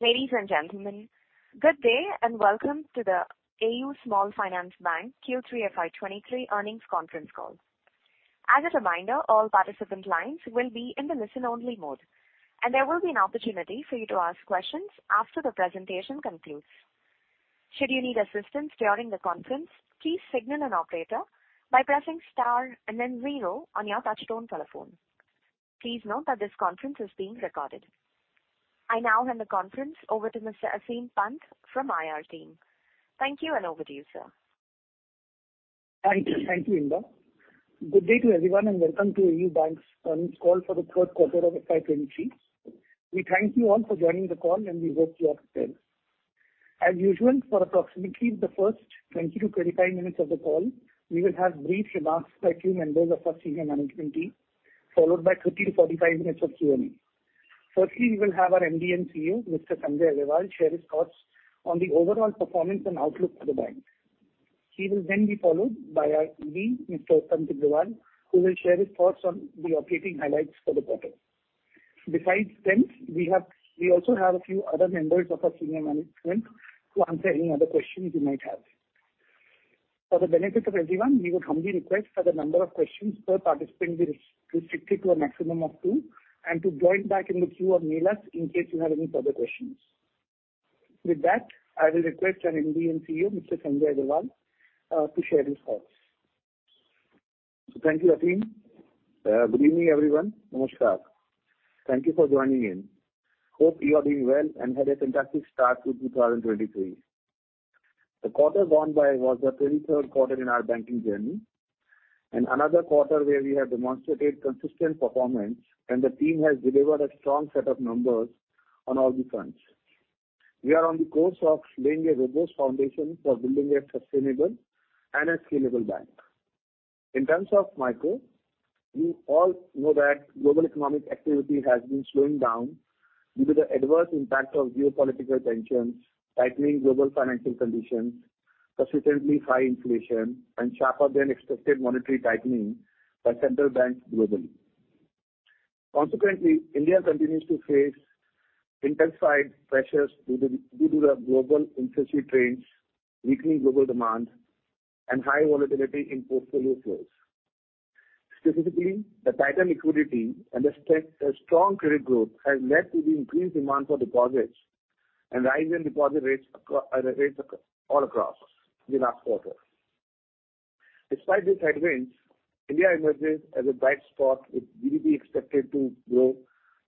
Ladies and gentlemen, good day and Welcome to the AU Small Finance Bank Q3 FY23 Earnings Conference Call. As a reminder, all participant lines will be in the listen-only mode, and there will be an opportunity for you to ask questions after the presentation concludes. Should you need assistance during the conference, please signal an operator by pressing star and then zero on your touchtone telephone. Please note that this conference is being recorded. I now hand the conference over to Mr. Aseem Pant from IR team. Thank you, and over to you, sir. Thank you. Thank you, Insiya. Good day to everyone, and Welcome to AU Bank's Earnings Call for The Third Quarter of FY 2023. We thank you all for joining the call, and we hope you are well. As usual, for approximately the first 20-25 minutes of the call, we will have brief remarks by a few members of our senior management team, followed by 30-45 minutes of Q&A. Firstly, we will have our MD & CEO, Mr. Sanjay Agarwal, share his thoughts on the overall performance and outlook for the bank. He will then be followed by our ED, Mr. Uttam Tibrewal, who will share his thoughts on the operating highlights for the quarter. Besides them, we also have a few other members of our senior management to answer any other questions you might have. For the benefit of everyone, we would humbly request that the number of questions per participant be restricted to a maximum of two and to join back in the queue or mail us in case you have any further questions. With that, I will request our MD & CEO, Mr. Sanjay Agarwal, to share his thoughts. Thank you, Aseem. Good evening, everyone. Namaskar. Thank you for joining in. Hope you are doing well and had a fantastic start to 2023. The quarter gone by was the 23rd quarter in our banking journey and another quarter where we have demonstrated consistent performance, and the team has delivered a strong set of numbers on all the fronts. We are on the course of laying a robust foundation for building a sustainable and a scalable bank. In terms of micro, we all know that global economic activity has been slowing down due to the adverse impact of geopolitical tensions, tightening global financial conditions, persistently high inflation, and sharper-than-expected monetary tightening by central banks globally. Consequently, India continues to face intense side pressures due to the global interest rates, weakening global demand, and high volatility in portfolio flows. Specifically, the tighter liquidity and the strong credit growth has led to the increased demand for deposits and rise in deposit rates all across in the last quarter. Despite these headwinds, India emerges as a bright spot, with GDP expected to grow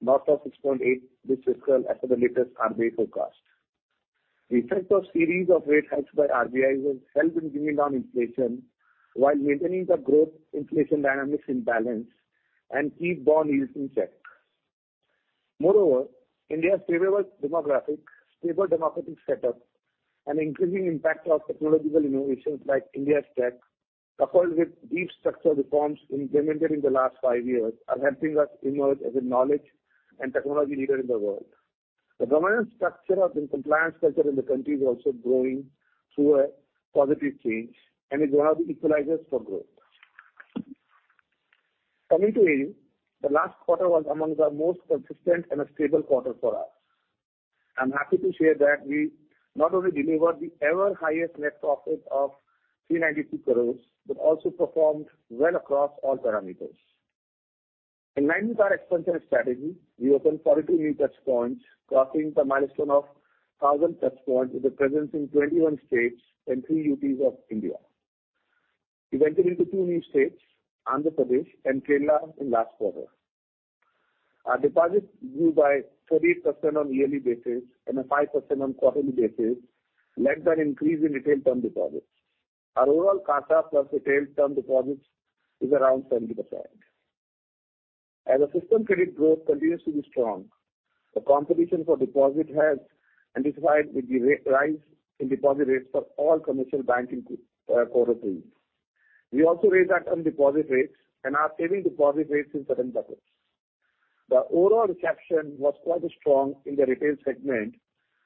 north of 6.8% this fiscal as per the latest RBI forecast. The effect of series of rate hikes by RBI will help in bringing down inflation while maintaining the growth-inflation dynamics in balance and keep bond yields in check. India's favorable demographic, stable democratic setup, and increasing impact of technological innovations like India Stack, coupled with deep structural reforms implemented in the last five years, are helping us emerge as a knowledge and technology leader in the world. The governance structure of, and compliance culture in the country is also going through a positive change. It will have equalizers for growth. Coming to AU, the last quarter was amongst the most consistent and a stable quarter for us. I'm happy to share that we not only delivered the ever highest net profit of 392 crores, Also performed well across all parameters. In line with our expansion strategy, we opened 42 new touchpoints, crossing the milestone of 1,000 touchpoints with a presence in 21 states and three UTs of India. We went into two new states, Andhra Pradesh and Kerala, in last quarter. Our deposits grew by 30% on yearly basis and 5% on quarterly basis, led by an increase in Retail Term Deposits. Our overall CASA + Retail Term Deposits is around 70%. As the system credit growth continues to be strong, the competition for deposit has intensified with the rise in deposit rates for all commercial banking group, quarter three. We also raised our term deposit rates and our savings deposit rates in certain buckets. The overall reception was quite strong in the retail segment,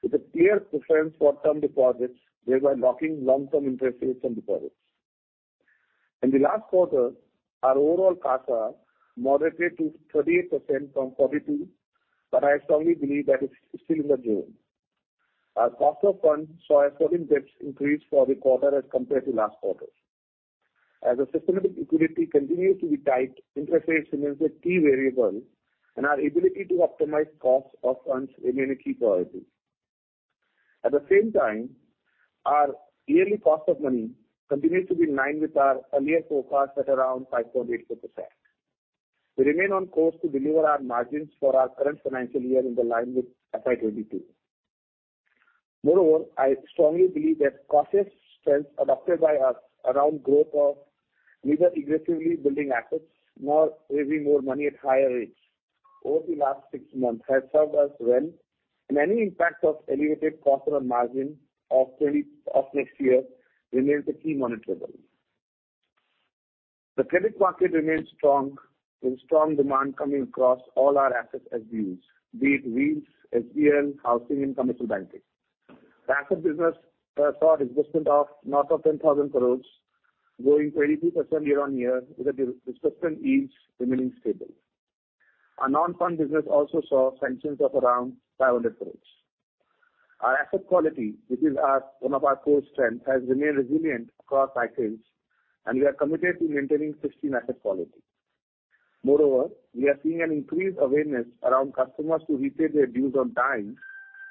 with a clear preference for term deposits, thereby locking long-term interest rates and deposits. In the last quarter, our overall CASA moderated to 38% from 42%, but I strongly believe that it's still in the zone. Our cost of funds saw a 7 basis points increase for the quarter as compared to last quarter. As the systemic liquidity continues to be tight, interest rates remains a key variable, and our ability to optimize cost of funds remain a key priority. At the same time, our yearly cost of money continues to be in line with our earlier forecast at around 5.84%. We remain on course to deliver our margins for our current financial year in the line with FY22. I strongly believe that cautious stance adopted by us around growth of neither aggressively building assets nor raising more money at higher rates over the last six months has served us well, and any impact of elevated cost or margin of next year remains a key monitorable. The credit market remains strong, with strong demand coming across all our asset SBUs, be it Wheels, SVL, Housing and Commercial Banking. Asset business saw disbursement of north of 10,000 crores, growing 22% year-on-year with a disbursement ease remaining stable. Our non-fund business also saw sanctions of around 500 crores. Our asset quality, which is our, one of our core strength, has remained resilient across cycles, and we are committed to maintaining 50 asset quality. Moreover, we are seeing an increased awareness around customers to repay their dues on time,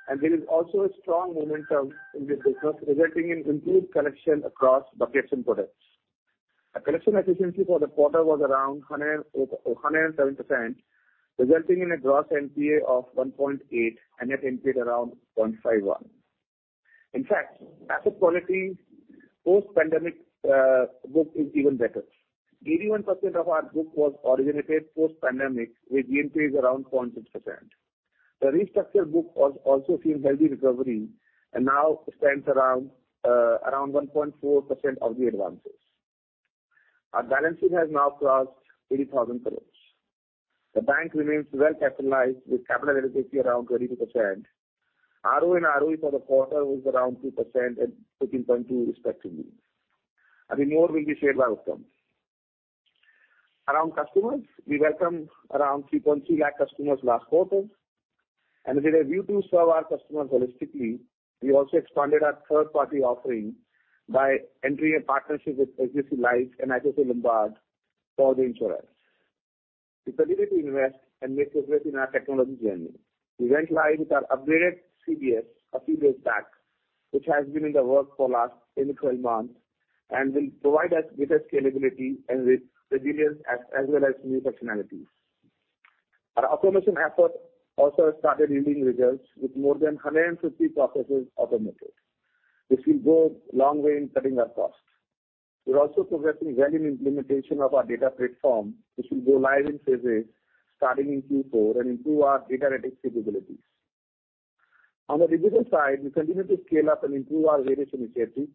and there is also a strong momentum in this business resulting in improved collection across the consumer products. Our collection efficiency for the quarter was around 107%, resulting in a gross NPA of 1.8% and an NPA around 0.51%. In fact, asset quality post-pandemic book is even better. 81% of our book was originated post-pandemic, with NPAs around 0.6%. The restructured book also seems healthy recovery and now stands around 1.4% of the advances. Our balance sheet has now crossed 80,000 crore. The bank remains well capitalized with capital efficiency around 22%. ROA and ROE for the quarter was around 2% and 13.2% respectively. More will be shared by our team. Around customers, we welcome around 3.3 lakh customers last quarter. With a view to serve our customers holistically, we also expanded our third-party offerings by entering a partnership with SBI Life and ICICI Lombard for the insurance. We continue to invest and make progress in our technology journey. We went live with our upgraded CBS a few days back, which has been in the works for last 10-12 months and will provide us greater scalability and resilience as well as new functionalities. Our automation efforts also have started yielding results with more than 150 processes automated, which will go a long way in cutting our costs. We're also progressing well in implementation of our data platform, which will go live in phases starting in Q4 and improve our data analytics capabilities. On the digital side, we continue to scale up and improve our various initiatives,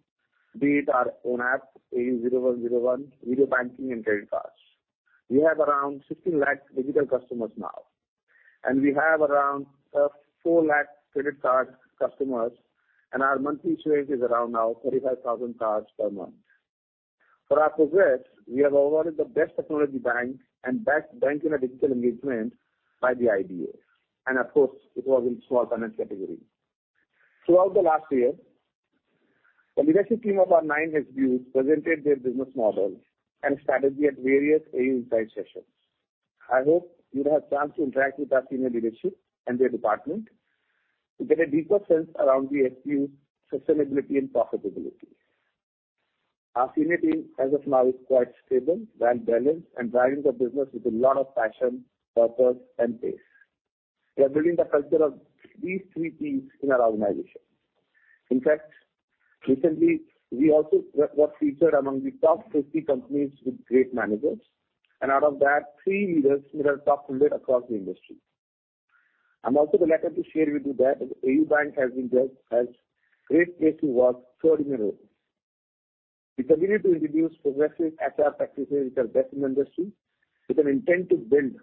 be it our own app, AU 0101, video banking, and credit cards. We have around 16 lakh digital customers now, and we have around 4 lakh credit card customers, and our monthly issuance is around now 35,000 cards per month. For our progress, we have awarded the best technology bank and best bank in a digital engagement by the IBA. Of course, it was in small finance category. Throughout the last year, the leadership team of our nine SBU presented their business model and strategy at various AU Insights sessions. I hope you'd have chance to interact with our senior leadership and their department to get a deeper sense around the SBU sustainability and profitability. Our senior team as of now is quite stable, well-balanced, and driving the business with a lot of passion, purpose, and pace. We are building the culture of these three Ps in our organization. Recently we also were featured among the top 50 companies with great managers, and out of that, three leaders made our top 100 across the industry. I'm also delighted to share with you that AU Bank has been judged as great place to work four years in a row. We continue to introduce progressive HR practices which are best in industry with an intent to build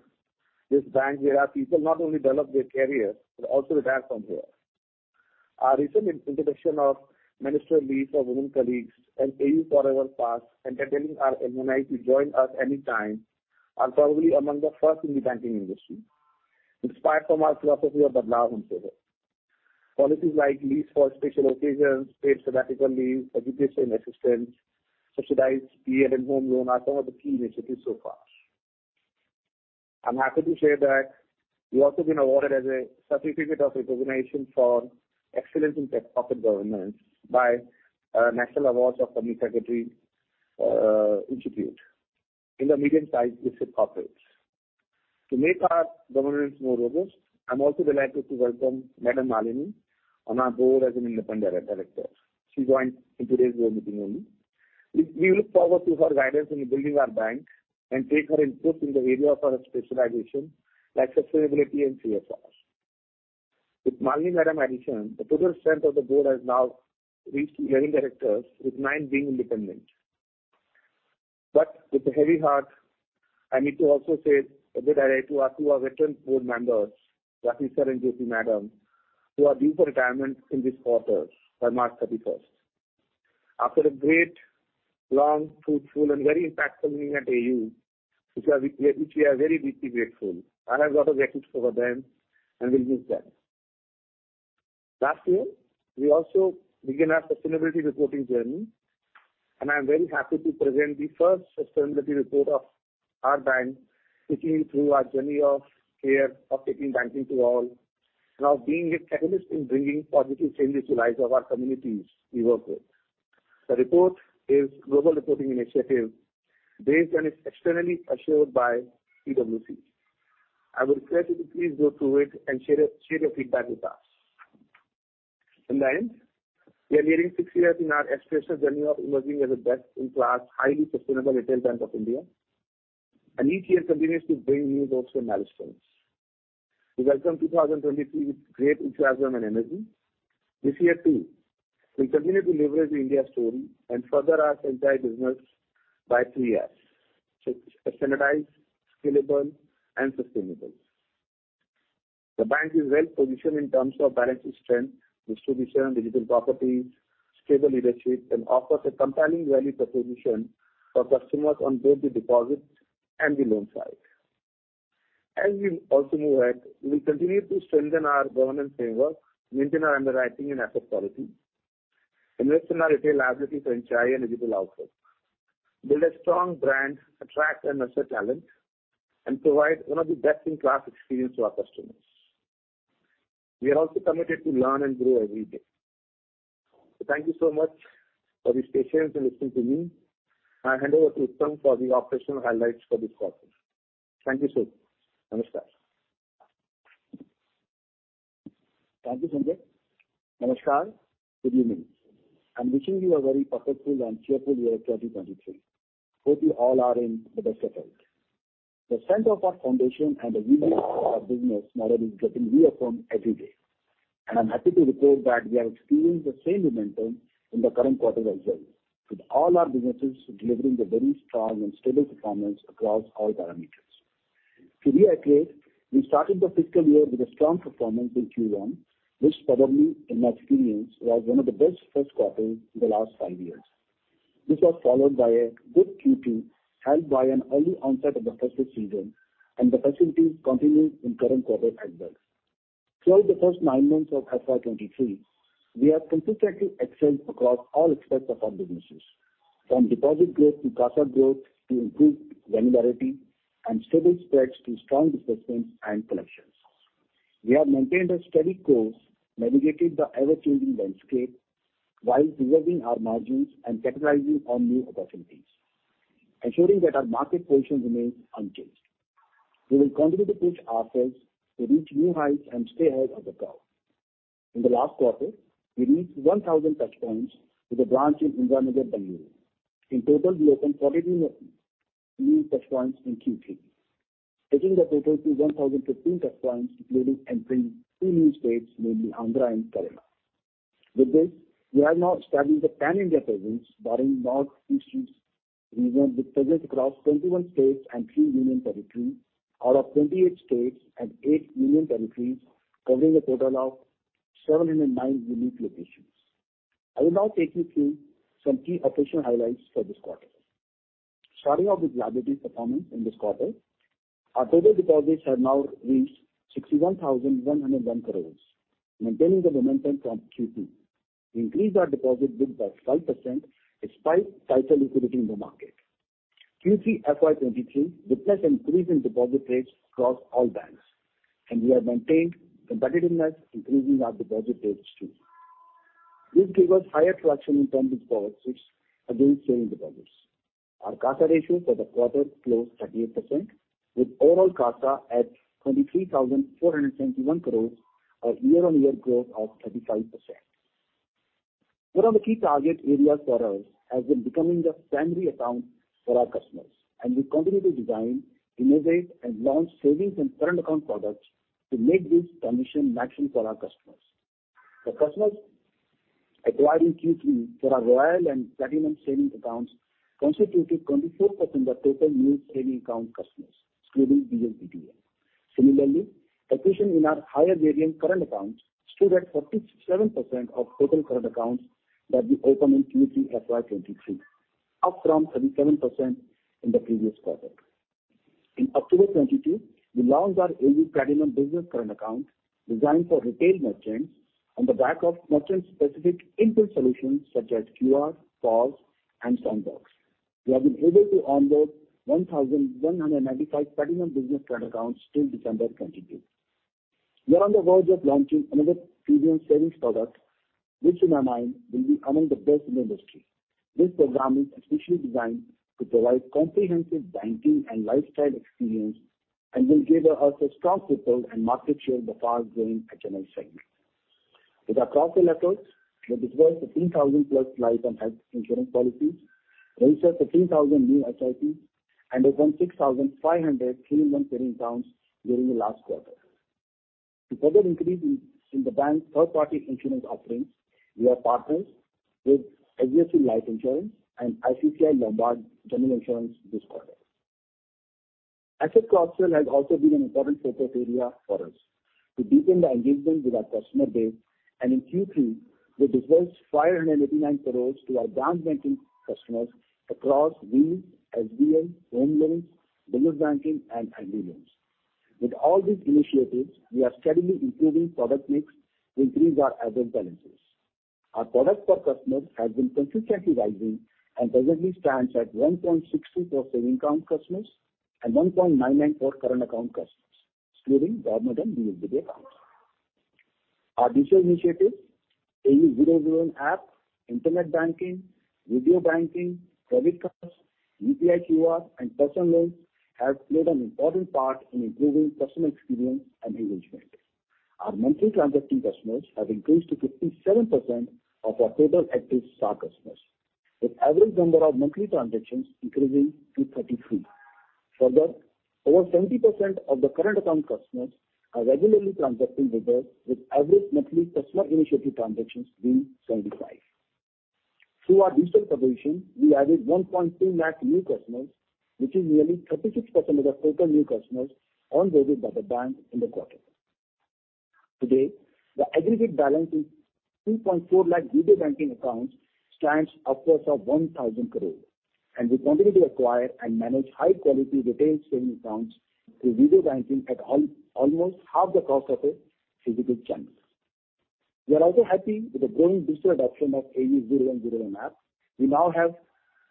this bank where our people not only develop their career, but also retire from here. Our recent introduction of menstrual leave for women colleagues and AU Forever Pass, enabling our employees to join us anytime, are probably among the first in the banking industry, inspired from our philosophy of Badlaav Humse Hai. Policies like leaves for special occasions, paid sabbatical leaves, educational assistance, subsidized PL and home loan are some of the key initiatives so far. I'm happy to share that we've also been awarded as a certificate of recognition for excellence in corporate governance by National Awards of Company Secretary Institute in the medium-sized listed corporates. To make our governance more robust, I'm also delighted to welcome Madam Malini on our board as an independent director. She joined in today's board meeting only. We look forward to her guidance in building our bank and take her input in the area of her specialization, like sustainability and CSR. With Malini Madam addition, the total strength of the board has now reached nine directors, with nine being independent. With a heavy heart, I need to also say a good night to our two, our veteran board members, Rafiq Sir and Joshi Madam, who are due for retirement in this quarter by March 31st. After a great long, fruitful, and very impactful tenure at AU, which we are very deeply grateful, I have lot of gratitude for them and will miss them. Last year, we also begin our sustainability reporting journey, and I am very happy to present the first sustainability report of our bank, taking you through our journey of care, of taking banking to all, and of being a catalyst in bringing positive changes to lives of our communities we work with. The report is Global Reporting Initiative based and is externally assured by PwC. I would request you to please go through it and share your feedback with us. We are nearing six years in our exceptional journey of emerging as a best-in-class, highly sustainable retail bank of India. Each year continues to bring new growth and milestones. We welcome 2023 with great enthusiasm and energy. This year too, we'll continue to leverage the India story and further our retail business by three Fs. Standardized, scalable, and sustainable. The bank is well-positioned in terms of balance sheet strength, distribution, and digital properties, stable leadership, and offers a compelling value proposition for customers on both the deposits and the loan side. As we also move ahead, we'll continue to strengthen our governance framework, maintain our underwriting and asset quality, invest in our retail liability, franchise, and digital output, build a strong brand, attract and nurture talent, and provide one of the best-in-class experience to our customers. We are also committed to learn and grow every day. Thank you so much for this patience in listening to me. I hand over to Uttam for the operational highlights for this quarter. Thank you, sir. Namaskar. Thank you, Sanjay. Namaskar. Good evening. I'm wishing you a very purposeful and cheerful year 2023. Hope you all are in the best of health. The strength of our foundation and the resilience of our business model is getting reaffirmed every day. I'm happy to report that we are experiencing the same momentum in the current quarter as well, with all our businesses delivering a very strong and stable performance across all parameters. To reiterate, we started the fiscal year with a strong performance in Q1, which probably in my experience was one of the best first quarters in the last five years. This was followed by a good Q2, helped by an early onset of the festive season. The festivities continued in current quarter as well. Throughout the first nine months of FY 2023, we have consistently excelled across all aspects of our businesses, from deposit growth to CASA growth to improved granularity and stable spreads to strong disbursements and collections. We have maintained a steady course, navigated the ever-changing landscape while preserving our margins and capitalizing on new opportunities, ensuring that our market position remains unchanged. We will continue to push ourselves to reach new heights and stay ahead of the curve. In the last quarter, we reached 1,000 touchpoints with a branch in Indiranagar, Bengaluru. In total, we opened 40 new touchpoints in Q3, taking the total to 1,015 touchpoints including entering two new states, namely Andhra and Kerala. With this, we have now established a pan-India presence barring North Eastern region with presence across 21 states and three Union Territories out of 28 states and eight Union Territories, covering a total of 709 unique locations. I will now take you through some key operational highlights for this quarter. Starting off with liabilities performance in this quarter. Our total deposits have now reached 61,101 crores, maintaining the momentum from Q2. We increased our deposit book by 5% despite tighter liquidity in the market. Q3 FY 2023 witnessed an increase in deposit rates across all banks. We have maintained competitiveness, increasing our deposit rates too. This gave us higher traction in terms of power switch against saving deposits. Our CASA ratio for the quarter closed 38% with overall CASA at 23,471 crores, a year-on-year growth of 35%. One of the key target areas for us has been becoming the primary account for our customers and we continue to design, innovate, and launch savings and current account products to make this transition natural for our customers. For customers acquiring Q3 for our Royale and Platinum Savings accounts constituted 24% of total new savings account customers excluding BSBD accounts. Similarly, acquisition in our higher variant current accounts stood at 47% of total current accounts that we opened in Q3 FY23, up from 37% in the previous quarter. In October 2022, we launched our AU Platinum Business Current Account designed for retail merchants on the back of merchant-specific input solutions such as QR, POS, and Sandbox. We have been able to onboard 1,195 Platinum Business Current accounts till December 2022. We are on the verge of launching another premium savings product, which in my mind will be among the best in the industry. This program is especially designed to provide comprehensive banking and lifestyle experience and will give us a strong foothold and market share in the fast-growing HNI segment. With our cross-sell efforts, we dispersed 13,000+ life and health insurance policies, registered 13,000 new SIPs, and opened 6,500 premium savings accounts during the last quarter. To further increase in the bank's third party insurance offerings, we have partnered with HDFC Life Insurance and ICICI Lombard General Insurance this quarter. Asset cross-sell has also been an important focus area for us to deepen the engagement with our customer base and in Q3, we dispersed 589 crore to our branch banking customers across loans, SVL, home loans, business banking and AG loans. With all these initiatives, we are steadily improving product mix to increase our average balances. Our products per customer has been consistently rising and presently stands at 1.64 saving account customers and 1.99 for current account customers, excluding government and BSBD accounts. Our digital initiatives, AU Video Viewing app, internet banking, video banking, credit cards, UPI QR, and personal loans have played an important part in improving customer experience and engagement. Our monthly transacting customers have increased to 57% of our total active SAR customers, with average number of monthly transactions increasing to 33. Further, over 70% of the current account customers are regularly transacting with us with average monthly customer initiative transactions being 75. Through our digital proposition, we added 1.2 lakh new customers, which is nearly 36% of the total new customers onboarded by the bank in the quarter. Today, the aggregate balance is 2.4 lakh video banking accounts stands upwards of 1,000 crores, and we continue to acquire and manage high-quality retail savings accounts through video banking at almost half the cost of a physical channel. We are also happy with the growing digital adoption of AU 0101 app. We now have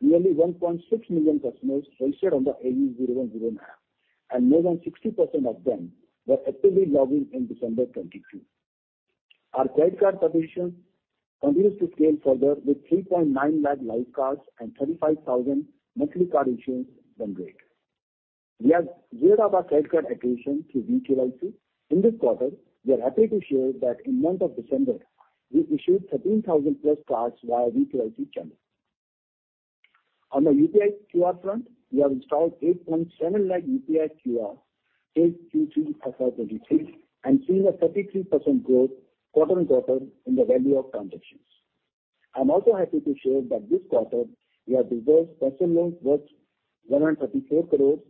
nearly 1.6 million customers registered on the AU 0101 app, and more than 60% of them were actively logging in December 2022. Our credit card positions continues to scale further with 3.9 lakh live cards and 35,000 monthly card issuance run rate. We have geared up our credit card acquisition through vKYC. In this quarter, we are happy to share that in month of December, we issued 13,000+ cards via vKYC channel. On the UPI QR front, we have installed 8.7 lakh UPI QR till Q3 fiscal 2023 and seeing a 33% growth quarter-on-quarter in the value of transactions. I'm also happy to share that this quarter we have dispersed personal loans worth 134 crores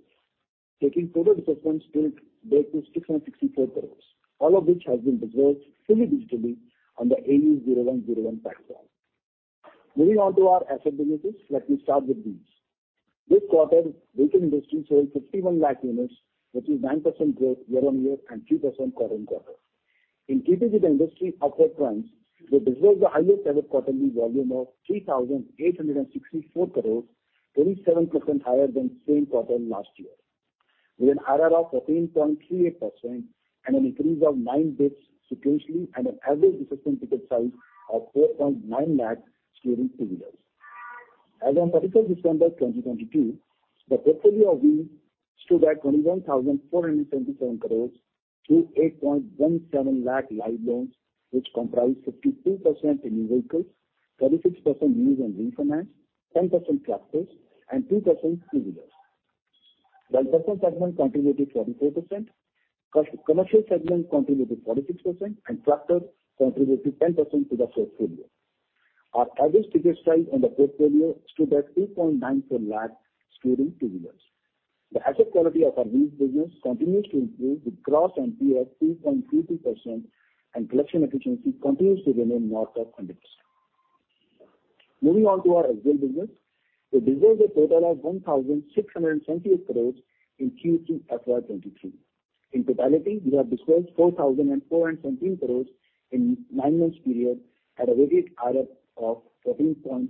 taking total disbursements to date to 664 crores, all of which has been dispersed fully digitally on the AU 0101 platform. Moving on to our asset businesses, let me start with these. This quarter, vehicle industry sold 51 lakh units, which is 9% growth year-on-year and 2% quarter-on-quarter. In keeping with the industry's upward trends, we disbursed the highest ever quarterly volume of 3,864 crores, 27% higher than same quarter last year, with an IRR of 14.38% and an increase of 9 basis points sequentially and an average disbursement ticket size of INR 4.9 lakhs during two-wheelers. As on December 31, 2022, the portfolio of these stood at 21,477 crores through 8.17 lakh live loans, which comprise 52% in new vehicles, 36% used and refinance, 10% tractors, and 2% two-wheelers. While personal segment contributed 44%, commercial segment contributed 46%, and tractors contributed 10% to the portfolio. Our average ticket size on the portfolio stood at 8.94 lakhs during two wheelers. The asset quality of our lease business continues to improve with gross NPA at 3.32%, and collection efficiency continues to remain north of 100%. Moving on to our XBL business. We dispersed a total of 1,678 crores in Q3 fiscal 23. In totality, we have dispersed 4,417 crores in nine months period at a weighted IRR of 14.4%.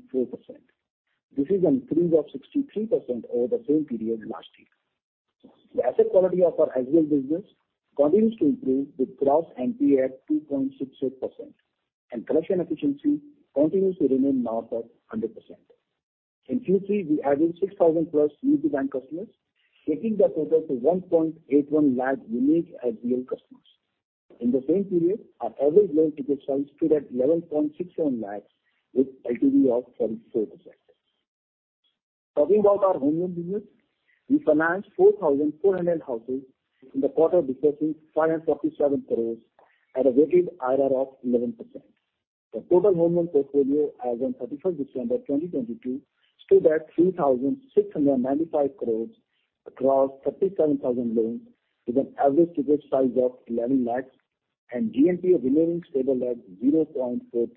This is an increase of 63% over the same period last year. The asset quality of our XBL business continues to improve with gross NPA at 2.68%, and collection efficiency continues to remain north of 100%. In Q3, we added 6,000+ new-to-bank customers, taking the total to 1.81 lakh unique XBL customers. In the same period, our average loan ticket size stood at 11.67 lakhs with LTV of 24%. Talking about our home loan business. We financed 4,400 houses in the quarter dispersing 547 crores at a weighted IRR of 11%. The total home loan portfolio as on 3first December 2022 stood at 3,695 crores across 37,000 loans with an average ticket size of 11 lakhs and GNPA remaining stable at 0.40%.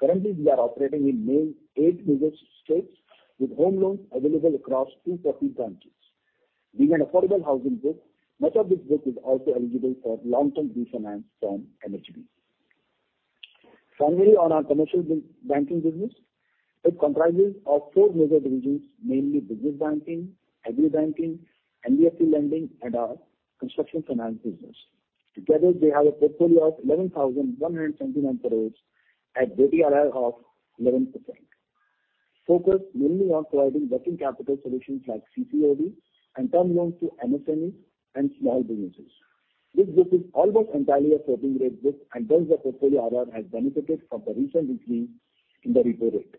Currently, we are operating in main eight major states with home loans available across 2,000 branches. Being an affordable housing book, much of this book is also eligible for long-term refinance from NHB. Finally, on our commercial banking business. It comprises of four major divisions, namely business banking, agri banking, NBFC lending, and our construction finance business. Together, they have a portfolio of 11,179 crore at weighted IRR of 11%. Focused mainly on providing working capital solutions like CC/OD and term loans to MSMEs and small businesses. Thus, the portfolio IRR has benefited from the recent increase in the repo rate.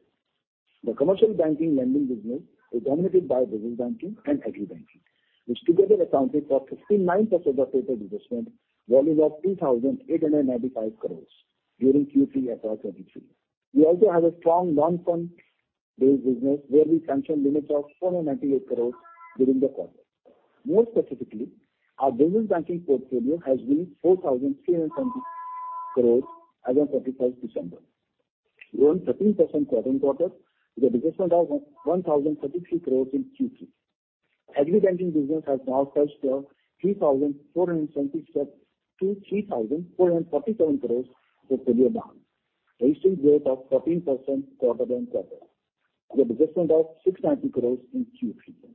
The commercial banking lending business is dominated by business banking and agri banking, which together accounted for 59% of total disbursement volume of 2,895 crore during Q3 fiscal 2023. We also have a strong non-fund based business where we sanctioned limits of 498 crore during the quarter. More specifically, our business banking portfolio has reached 4,370 crores as on 3first December, grown 13% quarter-on-quarter with a disbursement of 1,033 crores in Q3. Agri banking business has now touched a INR 3,477 crores to INR 3,447 crores portfolio now, a recent growth of 14% quarter-on-quarter with a disbursement of INR 690 crores in Q3.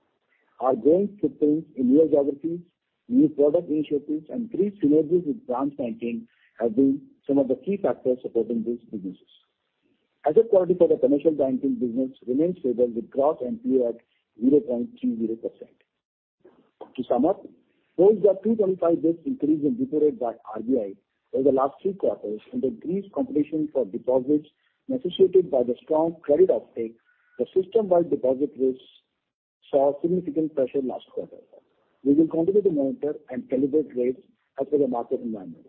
Our growing footprints in new geographies, new product initiatives, and increased synergies with branch banking have been some of the key factors supporting these businesses. Asset quality for the commercial banking business remains stable with gross NPA at 0.00%. To sum up, post the 225 basis points increase in repo rate by RBI over the last three quarters and increased competition for deposits necessitated by the strong credit uptake, the system-wide deposit rates Saw significant pressure last quarter. We will continue to monitor and celebrate rates as per the market dynamic.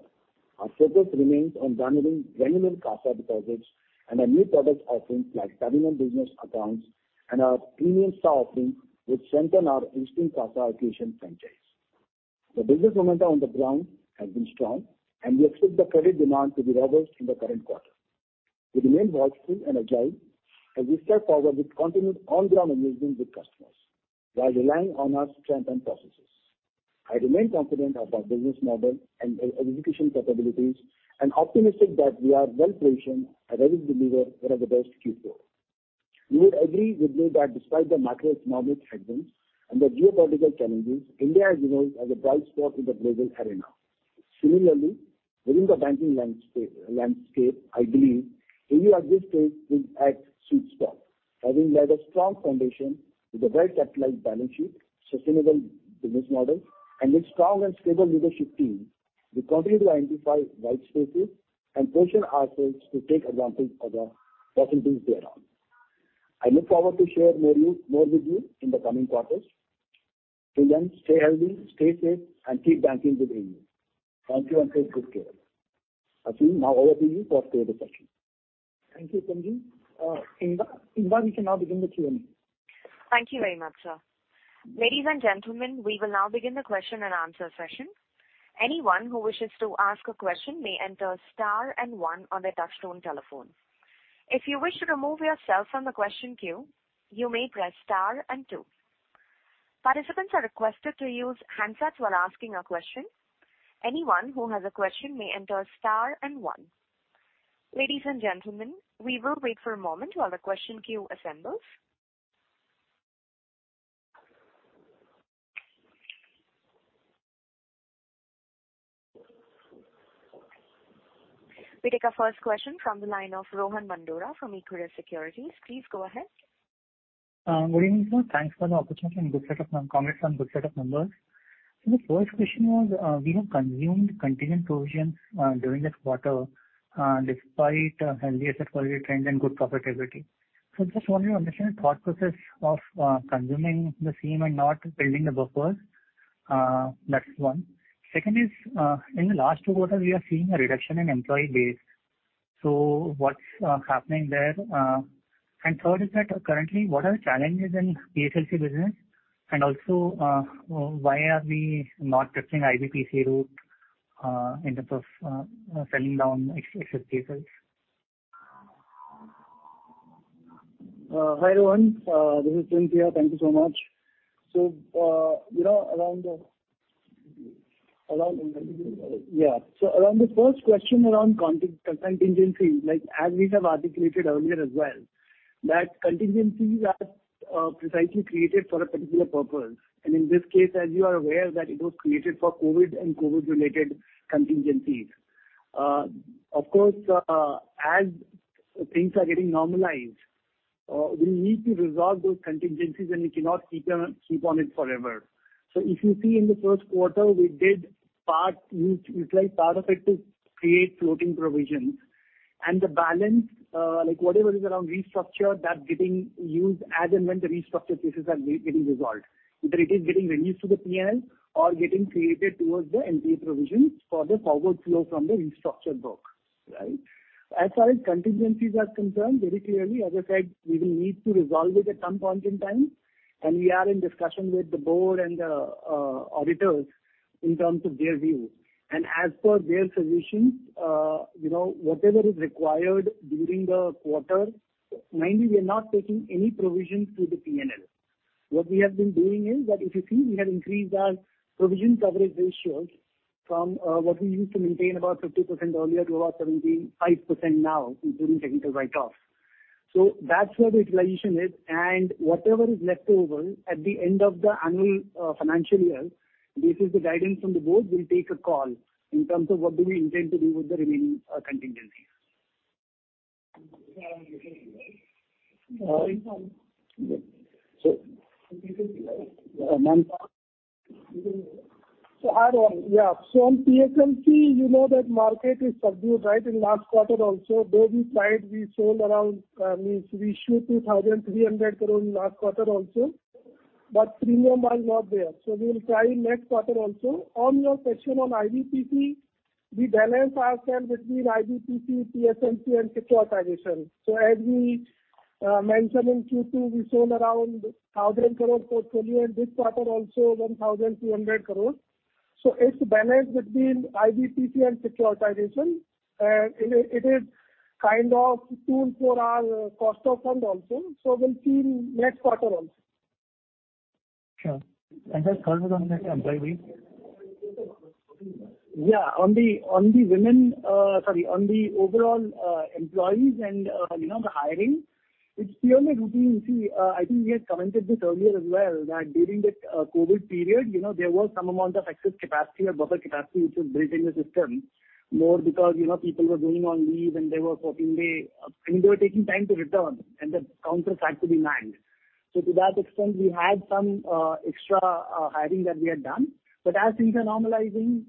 Our focus remains on delivering genuine CASA deposits and our new product offerings like terminal business accounts and our premium star offering, which center on our existing CASA acquisition franchise. The business momentum on the ground has been strong. We expect the credit demand to be robust in the current quarter. We remain watchful and agile as we step forward with continued on-ground engagement with customers while relying on our strength and processes. I remain confident of our business model and e-execution capabilities and optimistic that we are well positioned and ready to deliver one of the best Q4. You would agree with me that despite the macroeconomic headwinds and the geopolitical challenges, India is known as a bright spot in the global arena. Similarly, within the banking landscape, I believe AU at this stage is at sweet spot, having laid a strong foundation with a well-capitalized balance sheet, sustainable business model, and with strong and stable leadership team, we continue to identify white spaces and position ourselves to take advantage of the opportunities therein. I look forward to share more with you in the coming quarters. Till then, stay healthy, stay safe, and keep banking with AU. Thank you and take good care. Ashwin, now over to you for Q&A session. Thank you, Uttam. Inda, we can now begin the Q&A. Thank you very much, sir. Ladies and gentlemen, we will now begin the question and answer session. Anyone who wishes to ask a question may enter star and one on their touchtone telephone. If you wish to remove yourself from the question queue, you may press star and two. Participants are requested to use handsets while asking a question. Anyone who has a question may enter star and one. Ladies and gentlemen, we will wait for a moment while the question queue assembles. We take our first question from the line of Rohan Mandora from Equirus Securities. Please go ahead. Good evening, sir. Thanks for the opportunity and good set of comments and good set of numbers. The first question was, we have consumed contingent provisions during this quarter despite healthy asset quality trend and good profitability. Just want your understanding thought process of consuming the same and not building the buffers. That's one. Second is, in the last two quarters, we are seeing a reduction in employee base. What's happening there? Third is that currently what are the challenges in PSLC business? Also, why are we not taking IBPC route in terms of selling down excess cases? Hi Rohan, this is Uttam. Thank you so much. You know, around the first question around contingencies, like, as we have articulated earlier as well, that contingencies are precisely created for a particular purpose. In this case, as you are aware, that it was created for Covid and Covid-related contingencies. Of course, as things are getting normalized, we need to resolve those contingencies and we cannot keep on it forever. If you see in the first quarter, we did utilize part of it to create floating provisions. The balance, like whatever is around restructure, that getting used as and when the restructure cases are getting resolved. Either it is getting released to the P&L or getting created towards the NPA provision for the forward flow from the restructure book, right? As far as contingencies are concerned, very clearly, as I said, we will need to resolve it at some point in time, and we are in discussion with the board and auditors in terms of their view. And as per their solution, you know, whatever is required during the quarter, mainly, we are not taking any provisions to the P&L. What we have been doing is that if you see, we have increased our provision coverage ratios from what we used to maintain about 50% earlier to about 75% now, including technical write-off. That's where the utilization is. And whatever is left over at the end of the annual financial year, this is the guidance from the board, we'll take a call in terms of what do we intend to do with the remaining contingencies. Hi, Rohan. Yeah. On PSLC, you know that market is subdued, right? In last quarter also, though we tried, we sold around, means we issued 2,300 crore last quarter also, but premium was not there. We will try in next quarter also. On your question on IBPC, we balance ourselves between IBPC, PSLC and securitization. As we mentioned in Q2, we sold around INR 1,000 crore portfolio and this quarter also INR 1,200 crore. It's balanced between IBPC and securitization. It is kind of tool for our cost of fund also. We'll see in next quarter also. Sure. Just third one on the employee base. Yeah. On the women, sorry, on the overall employees and, you know, the hiring, it's purely routine. See, I think we had commented this earlier as well, that during the COVID period, you know, there was some amount of excess capacity or buffer capacity which was built in the system. More because, you know, people were going on leave and they were working and they were taking time to return and the counters had to be manned. To that extent, we had some extra hiring that we had done. As things are normalizing,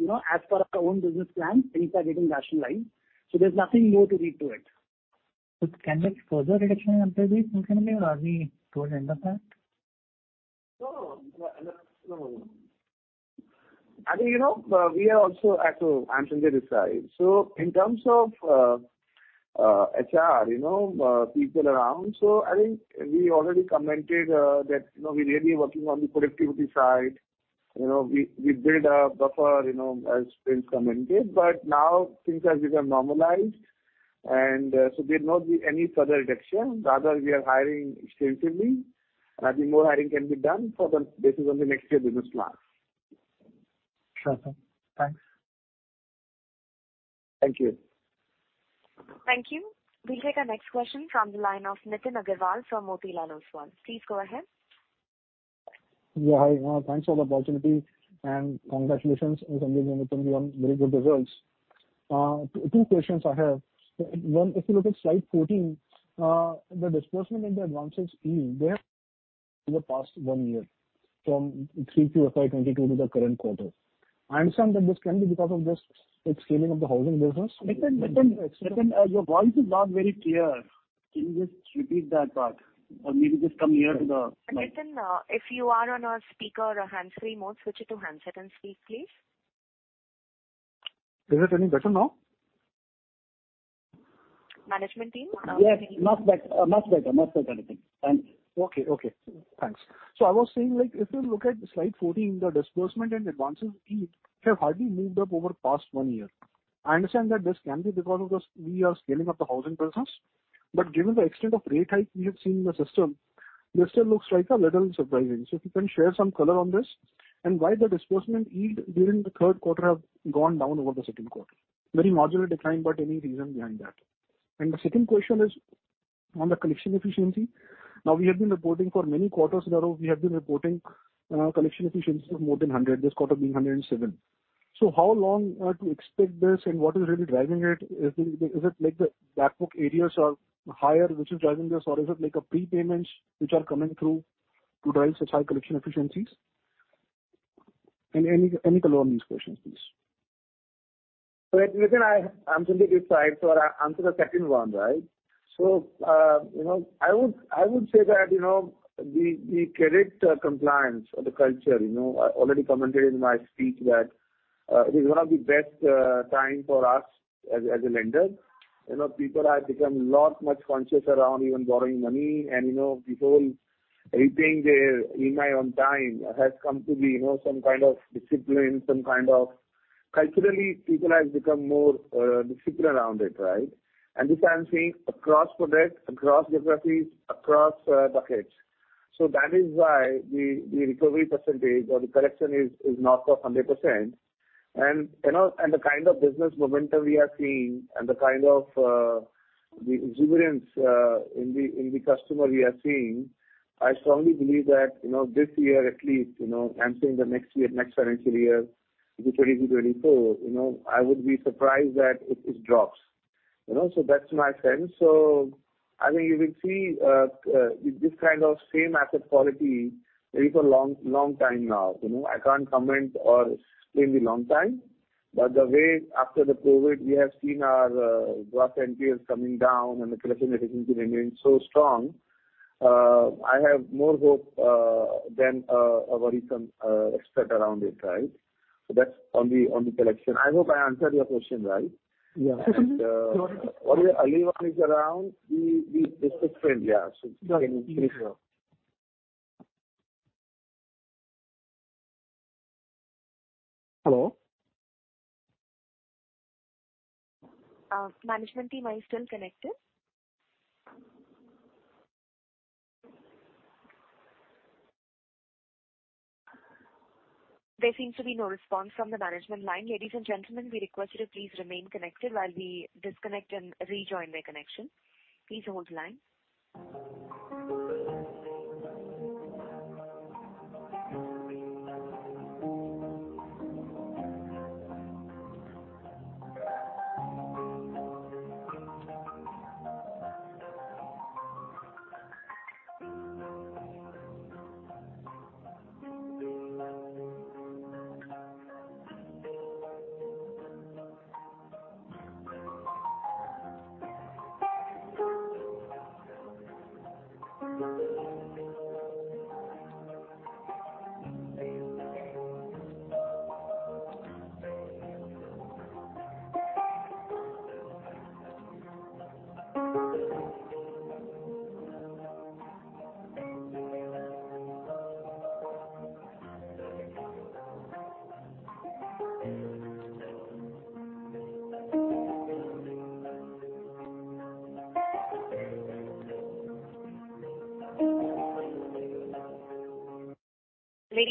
you know, as per our own business plan, things are getting rationalized, so there's nothing more to read to it. Can there be further reduction in employee strength or are we towards the end of that? No, no. I mean, you know, we are also at a answering this side. In terms of HR, you know, people around. I think we already commented that, you know, we're really working on the productivity side. You know, we build a buffer, you know, as things come in here, but now things have become normalized. There'll not be any further reduction, rather we are hiring extensively. I think more hiring can be done for the basis of the next year business plan. Sure, sir. Thanks. Thank you. Thank you. We'll take our next question from the line of Nitin Aggarwal from Motilal Oswal. Please go ahead. Yeah, hi. Thanks for the opportunity and congratulations on the very good results. Two questions I have. One, if you look at slide 14, the disbursement and the advances yield there in the past one year from three to FY 2022 to the current quarter. I understand that this can be because of this scaling of the housing business. Nitin, your voice is not very clear. Can you just repeat that part or maybe just come near to the mic? Nitin, if you are on a speaker or hands-free mode, switch it to handset and speak, please. Is it any better now? Management team. Yes. Much better. Much better. Much better. Thank you. Okay. Okay. Thanks. I was saying, like, if you look at slide 14, the disbursement and advances yield have hardly moved up over past one year. I understand that this can be because of this, we are scaling up the housing business. Given the extent of rate hike we have seen in the system, this still looks like a little surprising. If you can share some color on this and why the disbursement yield during the third quarter have gone down over the second quarter? Very marginal decline, but any reason behind that? The second question is on the collection efficiency. We have been reporting for many quarters in a row, we have been reporting collection efficiency of more than 100, this quarter being 107. How long to expect this and what is really driving it? Is it like the back book areas are higher, which is driving this? Or is it like a prepayments which are coming through to drive such high collection efficiencies? Any color on these questions, please. Nitin, I am on this side, so I'll answer the second one, right? You know, I would, I would say that, you know, the credit compliance or the culture, you know, I already commented in my speech that, this is one of the best, time for us as a lender. You know, people have become lot much conscious around even borrowing money. You know, the whole repaying the EMI on time has come to be, you know, some kind of discipline, some kind of... Culturally, people have become more, disciplined around it, right? This I am seeing across products, across geographies, across, buckets. That is why the recovery percentage or the collection is north of 100%. You know, and the kind of business momentum we are seeing and the kind of the exuberance in the customer we are seeing, I strongly believe that, you know, this year at least, you know, I'm seeing the next year, next financial year into 20-24, you know, I would be surprised that it drops. You know? That's my sense. I think you will see this kind of same asset quality really for long, long time now. You know, I can't comment or explain the long time, but the way after the COVID, we have seen our gross NPAs coming down and the collection efficiency remains so strong. I have more hope than a worrisome expert around it, right? That's on the collection. I hope I answered your question right. Yeah. Ali is around. He is the expert there. He can brief you. Hello. Management team, are you still connected? There seems to be no response from the management line. Ladies and gentlemen, we request you to please remain connected while we disconnect and rejoin the connection. Please hold the line.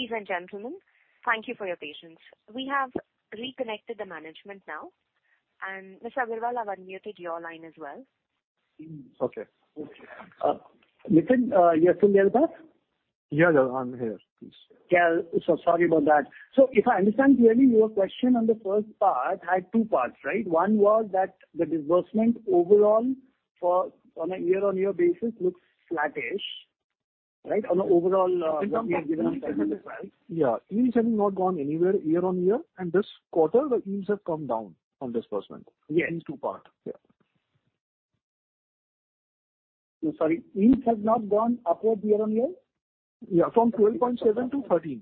Ladies and gentlemen, thank you for your patience. We have reconnected the management now. Mr. Aggarwal, I've unmuted your line as well. Okay. Nitin, you're still there, boss? Yeah, yeah. I'm here. Please. Yeah. Sorry about that. If I understand clearly, your question on the first part had two parts, right? One was that the disbursement overall for on a year-on-year basis looks flattish. Right on the overall, given Yeah. Yields have not gone anywhere year-on-year and this quarter the yields have come down on disbursement. Yes. These two part. Yeah. Sorry. Yields have not gone upward year-on-year? Yeah. From 12.7%-13%.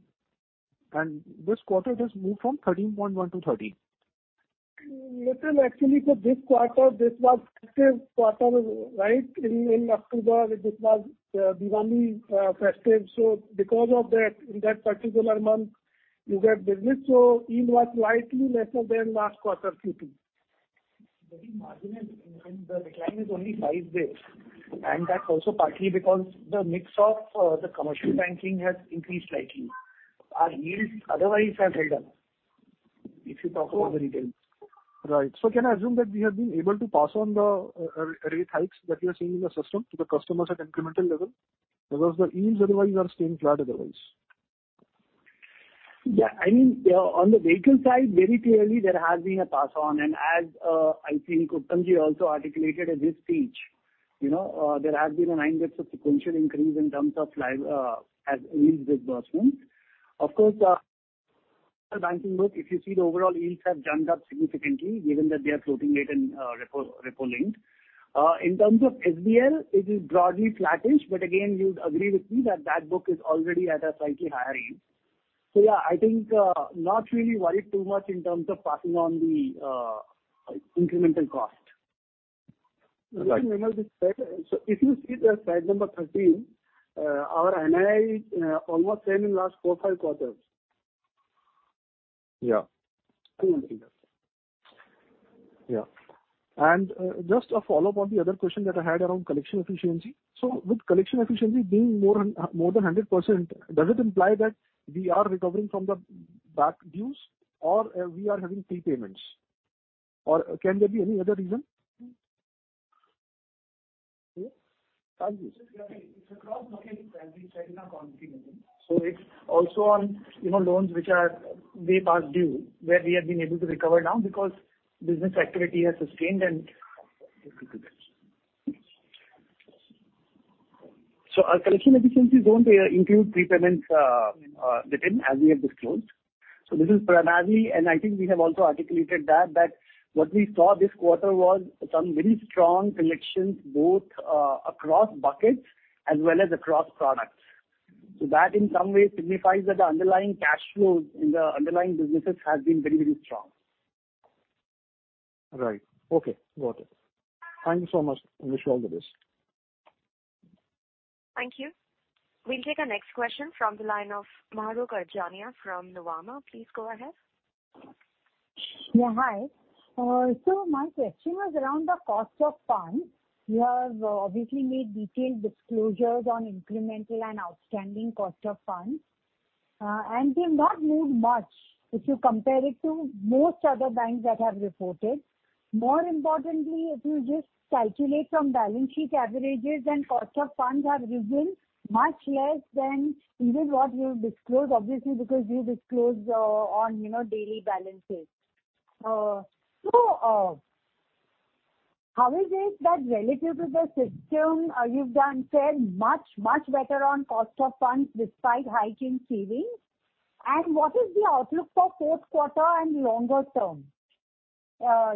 This quarter just moved from 13.1%-13%. Little actually for this quarter, this was festive quarter, right? In October, it was Diwali festive. Because of that, in that particular month you get business. Yield was slightly lesser than last quarter Q2. Very marginal. I mean, the decline is only 5 basis points and that's also partly because the mix of the commercial banking has increased slightly. Our yields otherwise have held up, if you talk about the retail. Right. Can I assume that we have been able to pass on the rate hikes that we are seeing in the system to the customers at incremental level? Because the yields otherwise are staying flat otherwise. I mean, on the vehicle side, very clearly there has been a pass on. As, I think Uttamji also articulated in his speech, you know, there has been a 9 basis points of sequential increase in terms of live, as yields disbursements. Of course, our banking book, if you see the overall yields have jumped up significantly given that they are floating rate and repo linked. In terms of SBL, it is broadly flattish. Again, you'd agree with me that that book is already at a slightly higher yield. I think, not really worried too much in terms of passing on the incremental cost. Right. If you see the slide number 13, our NII almost same in last four, five quarters. Yeah. I think that's it. Yeah. Just a follow-up on the other question that I had around collection efficiency. With collection efficiency being more than 100%, does it imply that we are recovering from the back dues or we are having prepayments? Or can there be any other reason? It's across buckets and we check in our continuity. It's also on, you know, loans which are way past due, where we have been able to recover now because business activity has sustained and. Our collection efficiencies don't include prepayments within as we have disclosed. This is primarily and I think we have also articulated that what we saw this quarter was some very strong collections both across buckets as well as across products. That in some way signifies that the underlying cash flows in the underlying businesses has been very, very strong. Right. Okay. Got it. Thank you so much. I wish you all the best. Thank you. We'll take our next question from the line of Mahrukh Adajania from Nomura. Please go ahead. Yeah, hi. My question was around the cost of funds. You have obviously made detailed disclosures on incremental and outstanding cost of funds. They've not moved much if you compare it to most other banks that have reported. More importantly, if you just calculate some balance sheet averages and cost of funds have risen much less than even what you've disclosed, obviously, because you disclose, on, you know, daily balances. How is it that relative to the system, you've done fair much, much better on cost of funds despite hiking CD? What is the outlook for fourth quarter and longer term?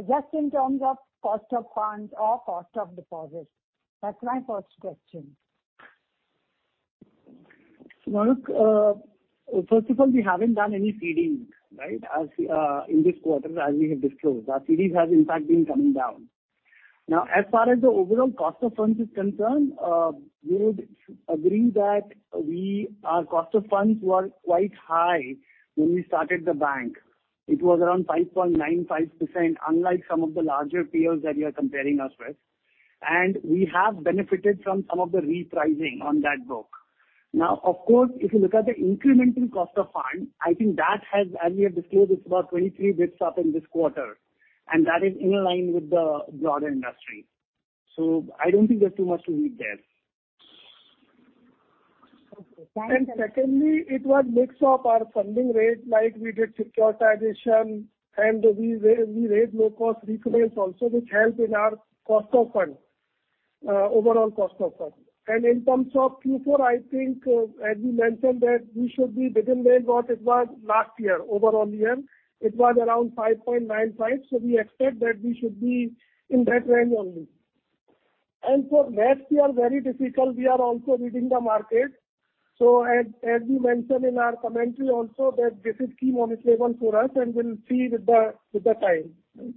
Just in terms of cost of funds or cost of deposits. That's my first question. Mahrukh, first of all, we haven't done any CD, right? In this quarter, as we have disclosed. Our CDs have in fact been coming down. As far as the overall cost of funds is concerned, our cost of funds were quite high when we started the bank. It was around 5.95%, unlike some of the larger peers that you are comparing us with. We have benefited from some of the repricing on that book. Of course, if you look at the incremental cost of funds, I think that has, as we have disclosed, it's about 23 basis points up in this quarter, and that is in line with the broader industry. I don't think there's too much to read there. Okay. Thank you. Secondly, it was mix of our funding rates, like we did securitization and we raised low-cost refinance also, which helped in our cost of funds, overall cost of funds. In terms of Q4, I think, as we mentioned that we should be within range what it was last year, overall year. It was around 5.95. We expect that we should be in that range only. For next year, very difficult. We are also reading the market. As we mentioned in our commentary also that this is key monis eleven for us and we'll see with the time.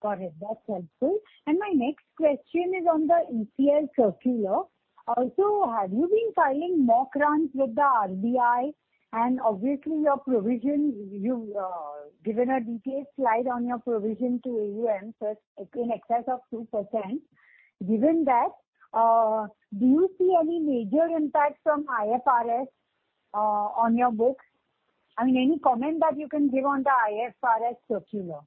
Got it. That's helpful. My next question is on the ECL circular. Also, have you been filing mock runs with the RBI? Obviously your provision, you've given a detailed slide on your provision to AUM, so it's in excess of 2%. Given that, do you see any major impact from IFRS on your books? I mean, any comment that you can give on the IFRS circular?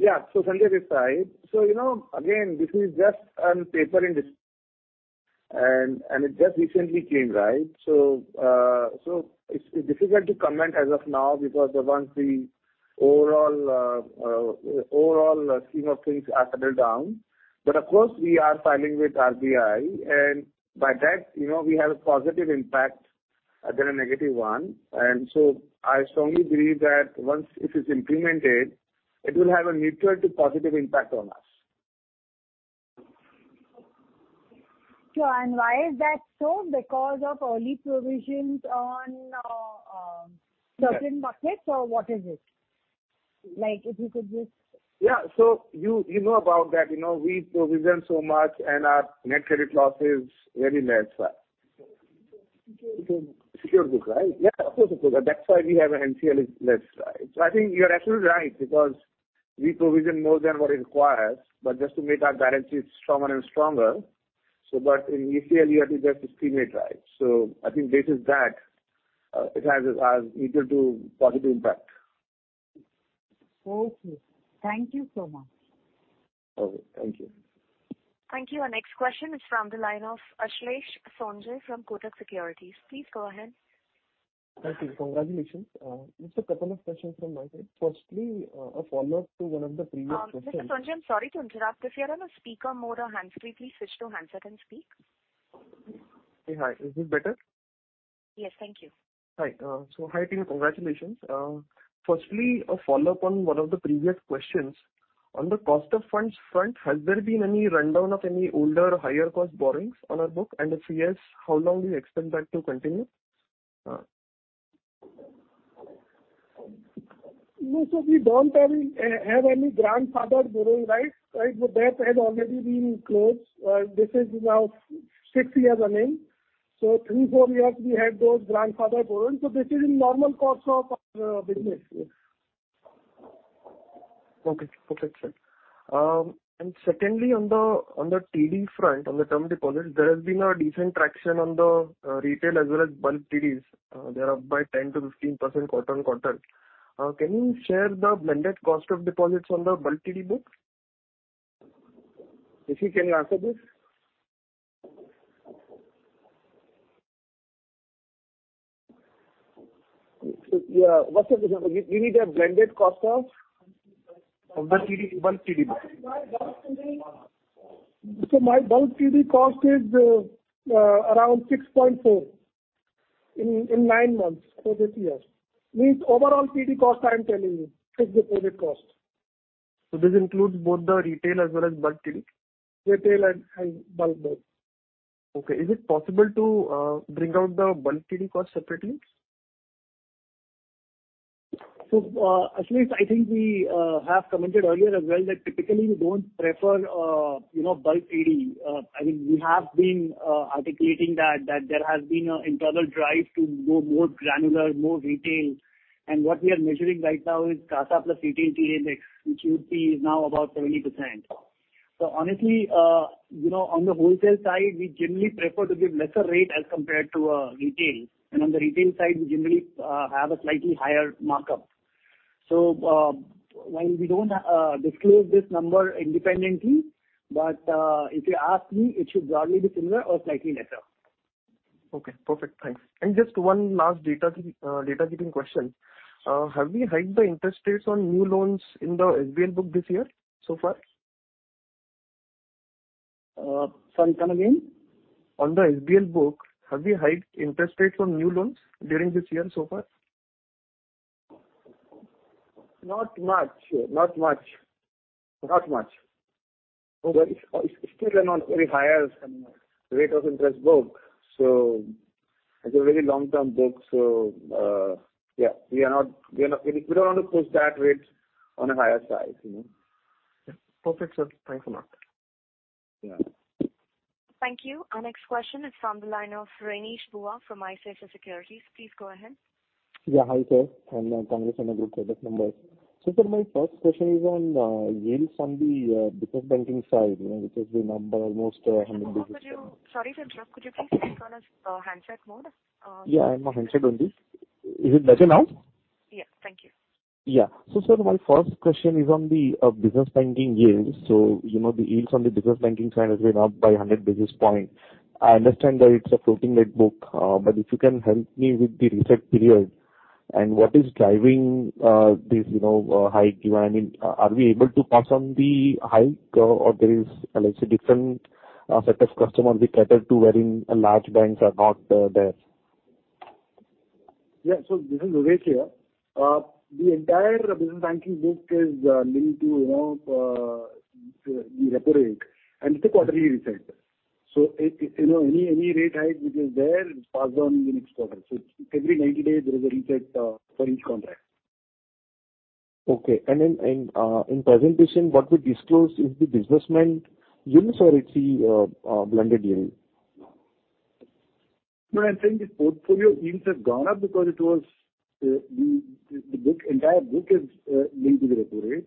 Yeah. Sanjay this side. you know, again, this is just a papering. It just recently came, right? It's difficult to comment as of now because once the overall scheme of things are settled down. Of course, we are filing with RBI and by that, you know, we have a positive impact than a negative one. I strongly believe that once this is implemented, it will have a neutral to positive impact on us. Sure. Why is that so? Because of early provisions on certain markets or what is it? Like, if you could just... Yeah. You, you know about that. You know, we provision so much and our net credit loss is very less. Okay. Secure book, right? Yeah, of course, of course. That's why we have MCLR is less, right? I think you're absolutely right because we provision more than what it requires, but just to make our balances stronger and stronger. But in MCLR, you have to just estimate, right? It has a neutral to positive impact. Okay. Thank you so much. Okay. Thank you. Thank you. Our next question is from the line of Ashlesh Sonje from Kotak Securities. Please go ahead. Thank you. Congratulations. Just a couple of questions from my side. Firstly, a follow-up to one of the previous questions. Mr. Sonje, I'm sorry to interrupt. If you're on a speaker mode or hands-free, please switch to handset and speak. Hi. Is this better? Yes. Thank you. Hi. Hi, team. Congratulations. Firstly, a follow-up on one of the previous questions. On the cost of funds front, has there been any rundown of any older higher cost borrowings on our book? If yes, how long do you expect that to continue? No. We don't have any grandfathered borrowing, right? Right. That has already been closed. This is now six years running. Three, four years we had those grandfathered borrowing. This is a normal course of our business, yes. Okay. Perfect. Sure. Secondly, on the TD front, on the term deposits, there has been a decent traction on the retail as well as bulk TDs. They are up by 10%-15% quarter-on-quarter. Can you share the blended cost of deposits on the bulk TD books? Rishi, can you answer this? Yeah. What's the question? We need a blended cost of? Of the TD, bulk TD books. My bulk TD cost is around 6.4% in nine months for this year. Means overall TD cost, I am telling you, is deposit cost. This includes both the retail as well as bulk TD? Retail and bulk both. Okay. Is it possible to bring out the bulk TD cost separately? Ashlesh, I think we have commented earlier as well that typically we don't prefer, you know, bulk TD. I think we have been articulating that there has been a internal drive to go more granular, more retail. What we are measuring right now is CASA + CDTD index, which you would see is now about 70%. Honestly, you know, on the wholesale side, we generally prefer to give lesser rate as compared to retail. On the retail side, we generally have a slightly higher markup. While we don't disclose this number independently, but if you ask me, it should broadly be similar or slightly lesser. Okay. Perfect. Thanks. Just one last data-keeping question. Have we hiked the interest rates on new loans in the SBL book this year so far? Sorry. Come again? On the SBL book, have we hiked interest rates on new loans during this year so far? Not much. Well, it's still a not very higher rate of interest book. It's a very long-term book. Yeah, We don't want to push that rate on a higher side, you know. Perfect, sir. Thanks a lot. Yeah. Thank you. Our next question is from the line of Renish Bhuva from ICICI Securities. Please go ahead. Yeah. Hi, sir. Congrats on a good set of numbers. Sir, my first question is on yields on the business banking side, you know, which has been up by almost 100 basis- Sorry to interrupt. Could you please switch on, handset mode? Yeah, I'm on handset only. Is it better now? Yeah. Thank you. Yeah. Sir, my first question is on the business banking yields. You know, the yields on the business banking side has been up by 100 basis points. I understand that it's a floating rate book, but if you can help me with the reset period and what is driving this, you know, hike. I mean, are we able to pass on the hike or there is, let's say, different set of customers we cater to wherein large banks are not there? This is Vivek here. The entire business banking book is linked to, you know, the repo rate and it's a quarterly reset. It, you know, any rate hike which is there is passed on in the next quarter. Every 90 days there is a reset for each contract. Okay. In presentation, what we disclose is the business bank yields or it's the blended yield? No, I'm saying the portfolio yields have gone up because it was the entire book is linked to the repo rate.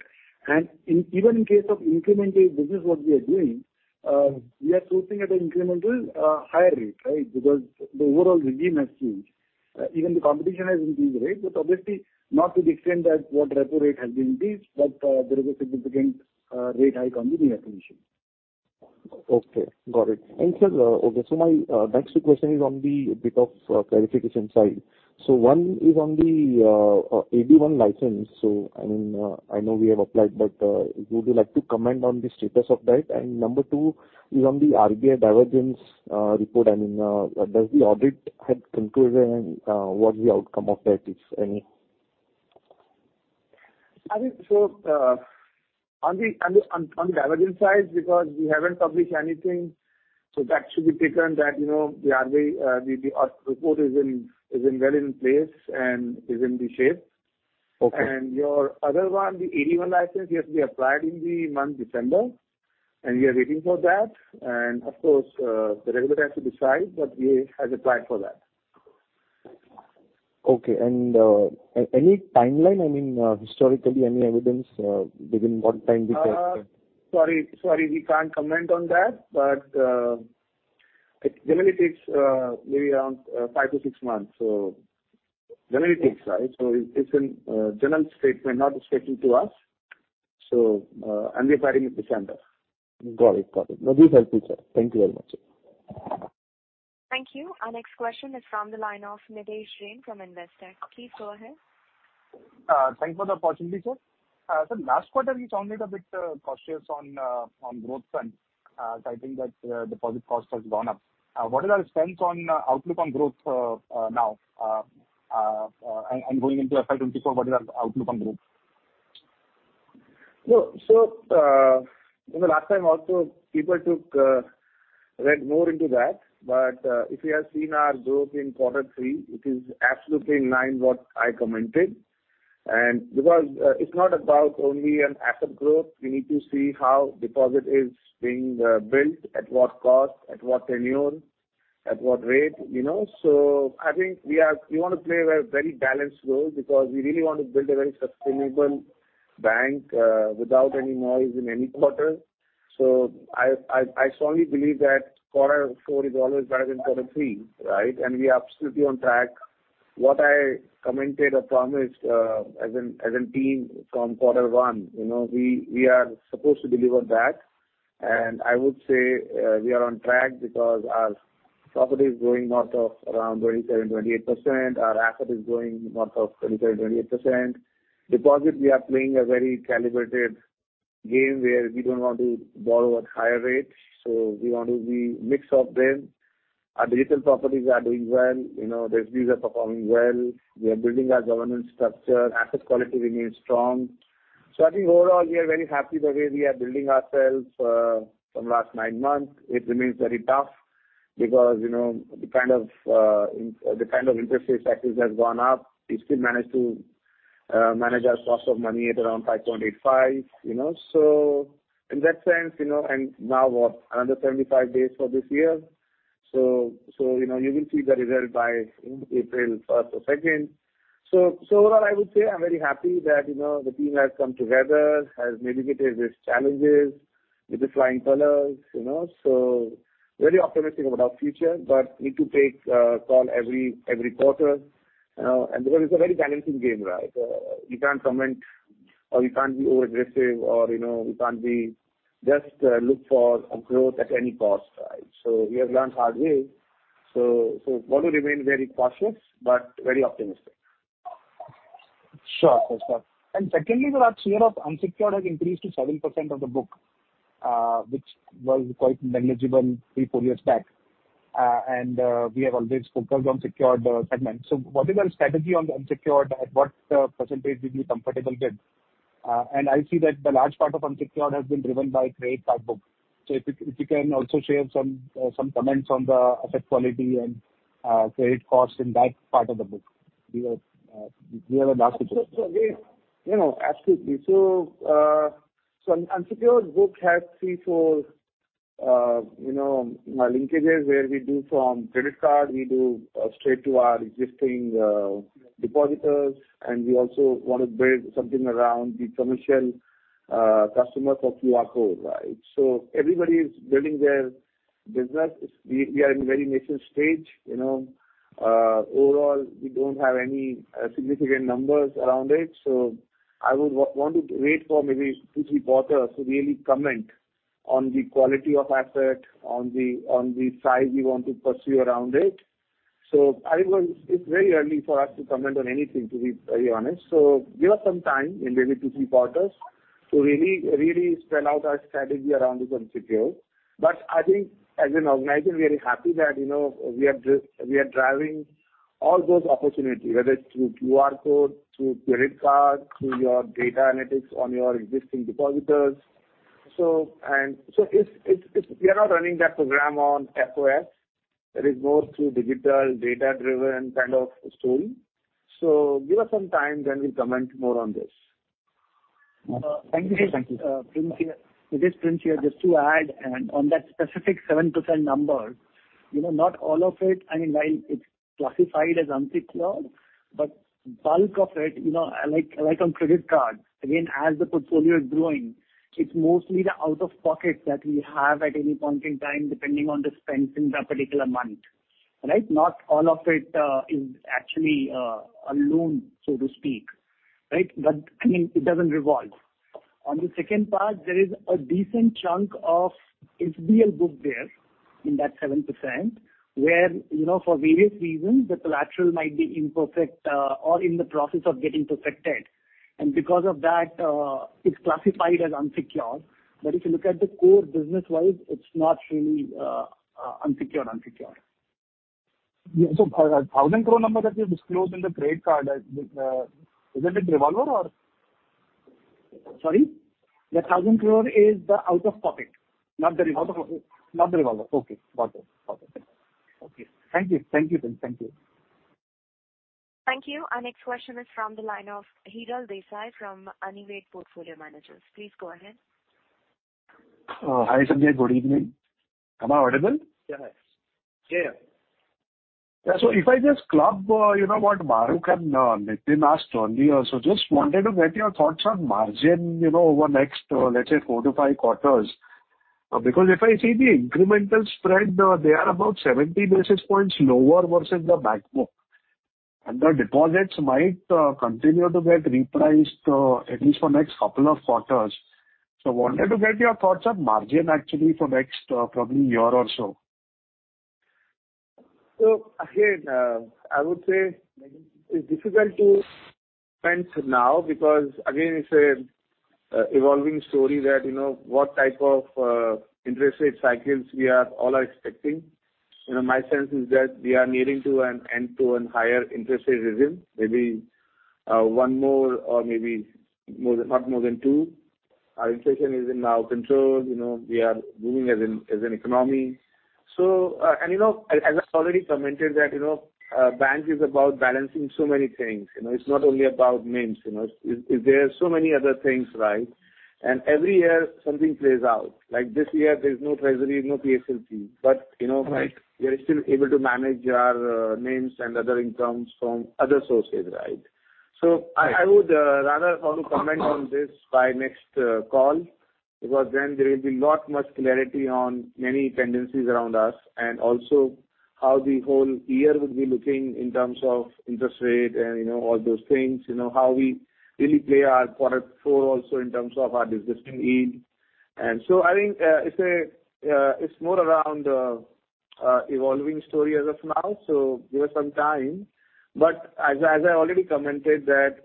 Even in case of incremental business what we are doing, we are sourcing at an incremental higher rate, right? Because the overall regime has changed. Even the competition has increased rate, but obviously not to the extent that what repo rate has been increased, but there is a significant rate hike on the new acquisition. Okay, got it. Sir, okay, my next two question is on the bit of clarification side. One is on the AT1 license. I mean, I know we have applied, but would you like to comment on the status of that? Number two is on the RBI divergence report. I mean, does the audit had concluded and what the outcome of that is, if any? I think so, on the divergence side, because we haven't published anything, so that should be taken that, you know, the audit report is in very in place and is in the shape. Okay. Your other one, the AT1 license, we have to be applied in the month December, and we are waiting for that. Of course, the regulator has to decide, but we have applied for that. Okay. Any timeline, I mean, historically, any evidence, within what time we can expect? Sorry. We can't comment on that. It generally takes maybe around five to six months, generally takes, right. It's in general statement not specific to us. And we're filing in December. Got it. No, this is helpful, sir. Thank you very much. Thank you. Our next question is from the line of Nidhesh Jain from Investec. Please go ahead. Thanks for the opportunity, sir. Last quarter you sounded a bit cautious on growth front, citing that deposit cost has gone up. What is our stance on outlook on growth now? Going into FY2024, what is our outlook on growth? No. In the last time also people took, read more into that. If you have seen our growth in quarter three, it is absolutely in line what I commented. Because, it's not about only an asset growth, we need to see how deposit is being built, at what cost, at what tenure, at what rate, you know. I think we want to play a very balanced role because we really want to build a very sustainable bank, without any noise in any quarter. I strongly believe that quarter four is always better than quarter three, right? We are absolutely on track. What I commented or promised, as in team from quarter one, you know, we are supposed to deliver that. I would say, we are on track because our property is growing north of around 27%, 28%. Our asset is growing north of 27%, 28%. Deposit we are playing a very calibrated game where we don't want to borrow at higher rates, so we want to be mix of them. Our digital properties are doing well. You know, reviews are performing well. We are building our governance structure. Asset quality remains strong. I think overall we are very happy the way we are building ourselves, from last nine months. It remains very tough because, you know, the kind of interest rate cycles has gone up, we still managed to manage our cost of money at around 5.85, you know. In that sense, you know, and now what, another 75 days for this year. You know, you will see the result by, you know, April first or second. Overall I would say I'm very happy that, you know, the team has come together, has navigated its challenges with the flying colors, you know. Very optimistic about future, but need to take call every quarter, and because it's a very balancing game, right? You can't comment or you can't be over aggressive or, you know, you can't be just look for a growth at any cost, right? We have learned hard way. Want to remain very cautious but very optimistic. Sure. Sure, sir. Secondly, sir, our share of unsecured has increased to 7% of the book, which was quite negligible three, four years back. We have always focused on secured segment. What is our strategy on the unsecured? At what % we'll be comfortable with? I see that the large part of unsecured has been driven by credit card book. If you can also share some comments on the asset quality and credit cost in that part of the book, we are the largest- We, you know, absolutely. Unsecured book has three, four, you know, linkages where we do from credit card, we do straight to our existing depositors, and we also want to build something around the commercial customer for QR, right? Everybody is building their business. It's we are in very initial stage, you know. Overall, we don't have any significant numbers around it. I would want to wait for maybe two, three quarters to really comment on the quality of asset, on the, on the size we want to pursue around it. It's very early for us to comment on anything, to be very honest. Give us some time in maybe two, three quarters to really spell out our strategy around the unsecured. I think as an organizer, we are happy that, you know, we are driving all those opportunities, whether it's through QR code, through credit card, through your data analytics on your existing depositors. It's we are not running that program on FOS. It is more through digital data-driven kind of story. Give us some time then we'll comment more on this. Thank you, sir. Thank you. This is Prince here. Just to add and on that specific 7% number, you know, not all of it, I mean, while it's classified as unsecured- Bulk of it, you know, like on credit card, again, as the portfolio is growing, it's mostly the out-of-pocket that we have at any point in time, depending on the spends in that particular month, right? Not all of it is actually a loan, so to speak, right? I mean, it doesn't revolve. On the second part, there is a decent chunk of SBL book there in that 7%, where, you know, for various reasons, the collateral might be imperfect, or in the process of getting perfected. And because of that, it's classified as unsecured. If you look at the core business-wise, it's not really unsecured. Yeah. The 1,000 crore number that you disclosed in the credit card, is that a revolver or? Sorry. The 1,000 crore is the out-of-pocket, not the revolver. Out-of-pocket. Not the revolver. Okay. Got it. Got it. Okay. Thank you. Thank you then. Thank you. Thank you. Our next question is from the line of Hiral Desai from Anived Portfolio Managers. Please go ahead. Hi, Sanjay. Good evening. Am I audible? Yes. Yeah, yeah. Yeah. If I just club, you know what Maru and Nithin asked earlier, just wanted to get your thoughts on margin, you know, over next, let's say, four to five quarters. Because if I see the incremental spread, they are about 70 basis points lower vs the back book. The deposits might continue to get repriced, at least for next two quarters. Wanted to get your thoughts on margin actually for next, probably year or so. Again, I would say it's difficult to fence now because again, it's a evolving story that, you know, what type of interest rate cycles we are all are expecting. You know, my sense is that we are nearing to an end to an higher interest rate regime, maybe one more or maybe more than, not more than two. Our inflation is in now control, you know, we are moving as an economy. And you know, as I already commented that, you know, bank is about balancing so many things. You know, it's not only about NIMs, you know. It's there are so many other things, right? Every year something plays out. Like this year there's no treasury, no PSLC, but you know. Right. We are still able to manage our NIMs and other incomes from other sources, right? I would rather want to comment on this by next call because then there will be lot much clarity on many tendencies around us and also how the whole year would be looking in terms of interest rate and, you know, all those things. You know, how we really play our quarter four also in terms of our de-risking need. I think it's a, it's more around evolving story as of now, so give us some time. As I, as I already commented that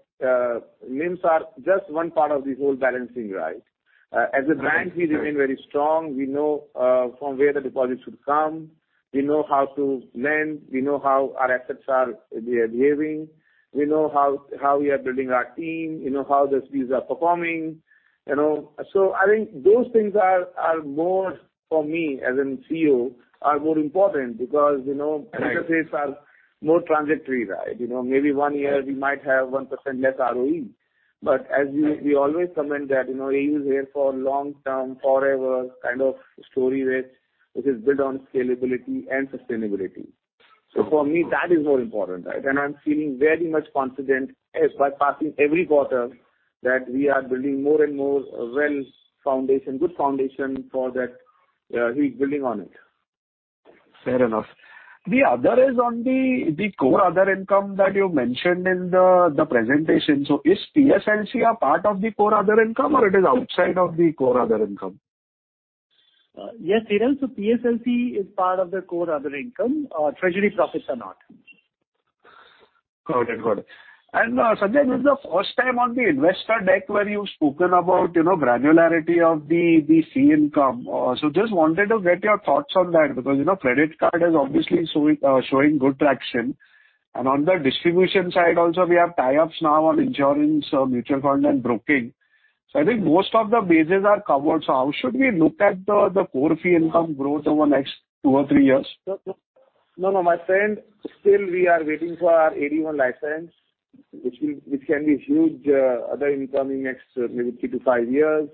NIMs are just one part of the whole balancing right. As a bank- Okay. we remain very strong. We know from where the deposits should come. We know how to lend. We know how our assets are, they are behaving. We know how we are building our team, you know, how the fees are performing, you know. I think those things are more for me as an CEO are more important because, you know. Right. Interest rates are more transitory, right? You know, maybe one year we might have 1% less ROE, but as we always comment that, you know, AU is here for long term, forever kind of story, which is built on scalability and sustainability. For me, that is more important, right? I'm feeling very much confident as by passing every quarter that we are building more and more well foundation, good foundation for that, we're building on it. Fair enough. The other is on the core other income that you mentioned in the presentation. Is PSLC a part of the core other income or it is outside of the core other income? Yes, Hiral. PSLC is part of the core other income. treasury profits are not. Got it. Got it. Sanjay, this is the first time on the investor deck where you've spoken about, you know, granularity of the fee income. So just wanted to get your thoughts on that because, you know, credit card is obviously showing good traction. On the distribution side also we have tie-ups now on insurance, mutual fund and broking. I think most of the bases are covered. How should we look at the core fee income growth over next two or three years? No, no, my friend, still we are waiting for our AD Category-I license, which can be huge other income in next maybe three to five years.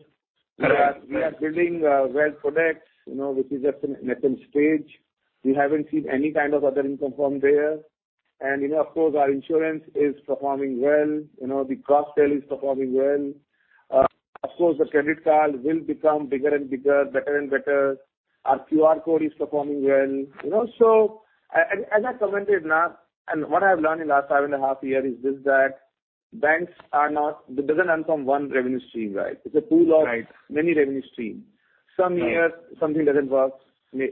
We are building wealth products, you know, which is at an infant stage. We haven't seen any kind of other income from there. You know, of course our insurance is performing well. You know, the cross-sell is performing well. Of course the credit card will become bigger and bigger, better and better. Our QR code is performing well. You know, as I commented now and what I've learned in last five and a half years is just that banks are not. It doesn't earn from one revenue stream, right? It's a pool of- Right. Many revenue stream. Right. Some years something doesn't work, may,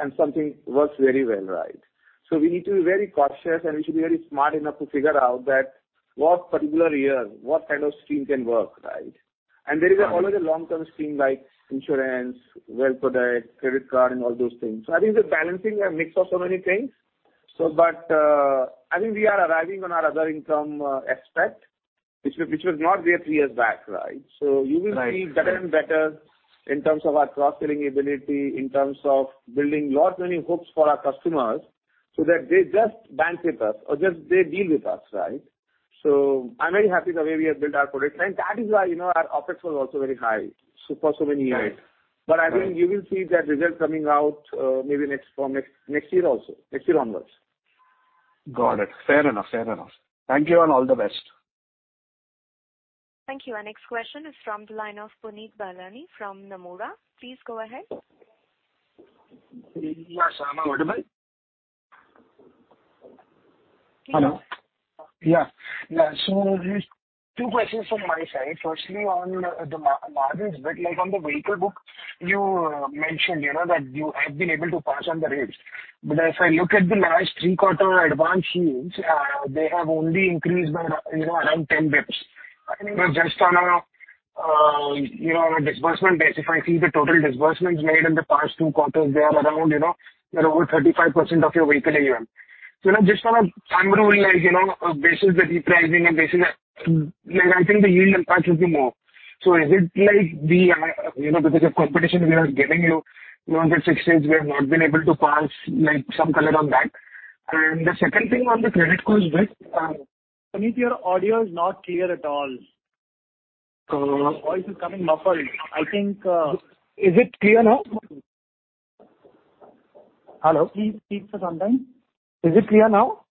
and something works very well, right? We need to be very cautious and we should be very smart enough to figure out that what particular year, what kind of stream can work, right? Right. There is always a long-term stream like insurance, wealth product, credit card and all those things. I think the balancing a mix of so many things. I think we are arriving on our other income aspect which was not there three years back, right? Right. You will see better and better in terms of our cross-selling ability, in terms of building lot many hooks for our customers so that they just bank with us or just they deal with us, right? I'm very happy the way we have built our product. That is why, you know, our OpEx was also very high for so many years. Right. Right. I think you will see that result coming out, maybe from next year also. Next year onwards. Got it. Fair enough. Fair enough. Thank you, and all the best. Thank you. Our next question is from the line of Punit Bahlani from Nomura. Please go ahead. Yes. Am I audible? Yes. Hello? Yeah. Yeah. There's two questions from my side. Firstly, on the margins bit, like on the vehicle book, you mentioned, you know, that you have been able to pass on the rates. As I look at the last three quarter advance yields, they have only increased by, you know, around 10 basis points. You know, just on a, you know, on a disbursement base, if I see the total disbursements made in the past two quarters, they are around, you know, they're over 35% of your vehicle AUM. You know, just on a annual like, you know, basis, the repricing and basis, like, I think the yield impact will be more. Is it like the, you know, because of competition we are giving you know, fixed rates, we have not been able to pass like some color on that? The second thing on the credit cost bit. Punit, your audio is not clear at all. Uh- Your voice is coming muffled. I think, Is it clear now? Hello? Please speak for some time. Is it clear now?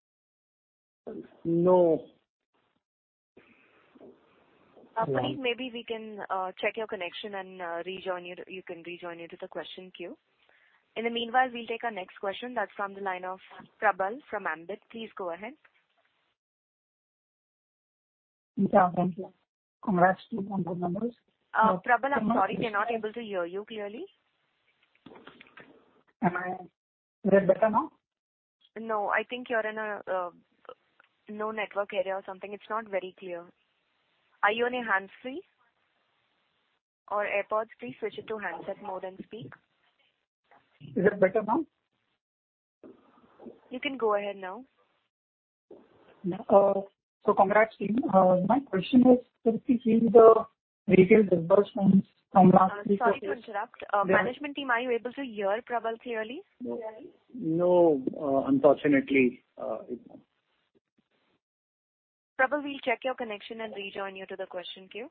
No. Punit, maybe we can check your connection. You can rejoin you to the question queue. In the meanwhile, we'll take our next question. That's from the line of Prabal from Ambit. Please go ahead. Yeah. Thank you. Congrats team on good numbers. Prabal, I'm sorry, we are not able to hear you clearly. Am I a bit better now? No, I think you're in a no network area or something. It's not very clear. Are you on a hands-free or AirPods? Please switch it to handset mode and speak. Is that better now? You can go ahead now. Congrats team. my question is, can you give the retail disbursements from last-? Sorry to interrupt. Yeah. Management team, are you able to hear Prabal clearly? No, unfortunately. Prabal, we'll check your connection and rejoin you to the question queue.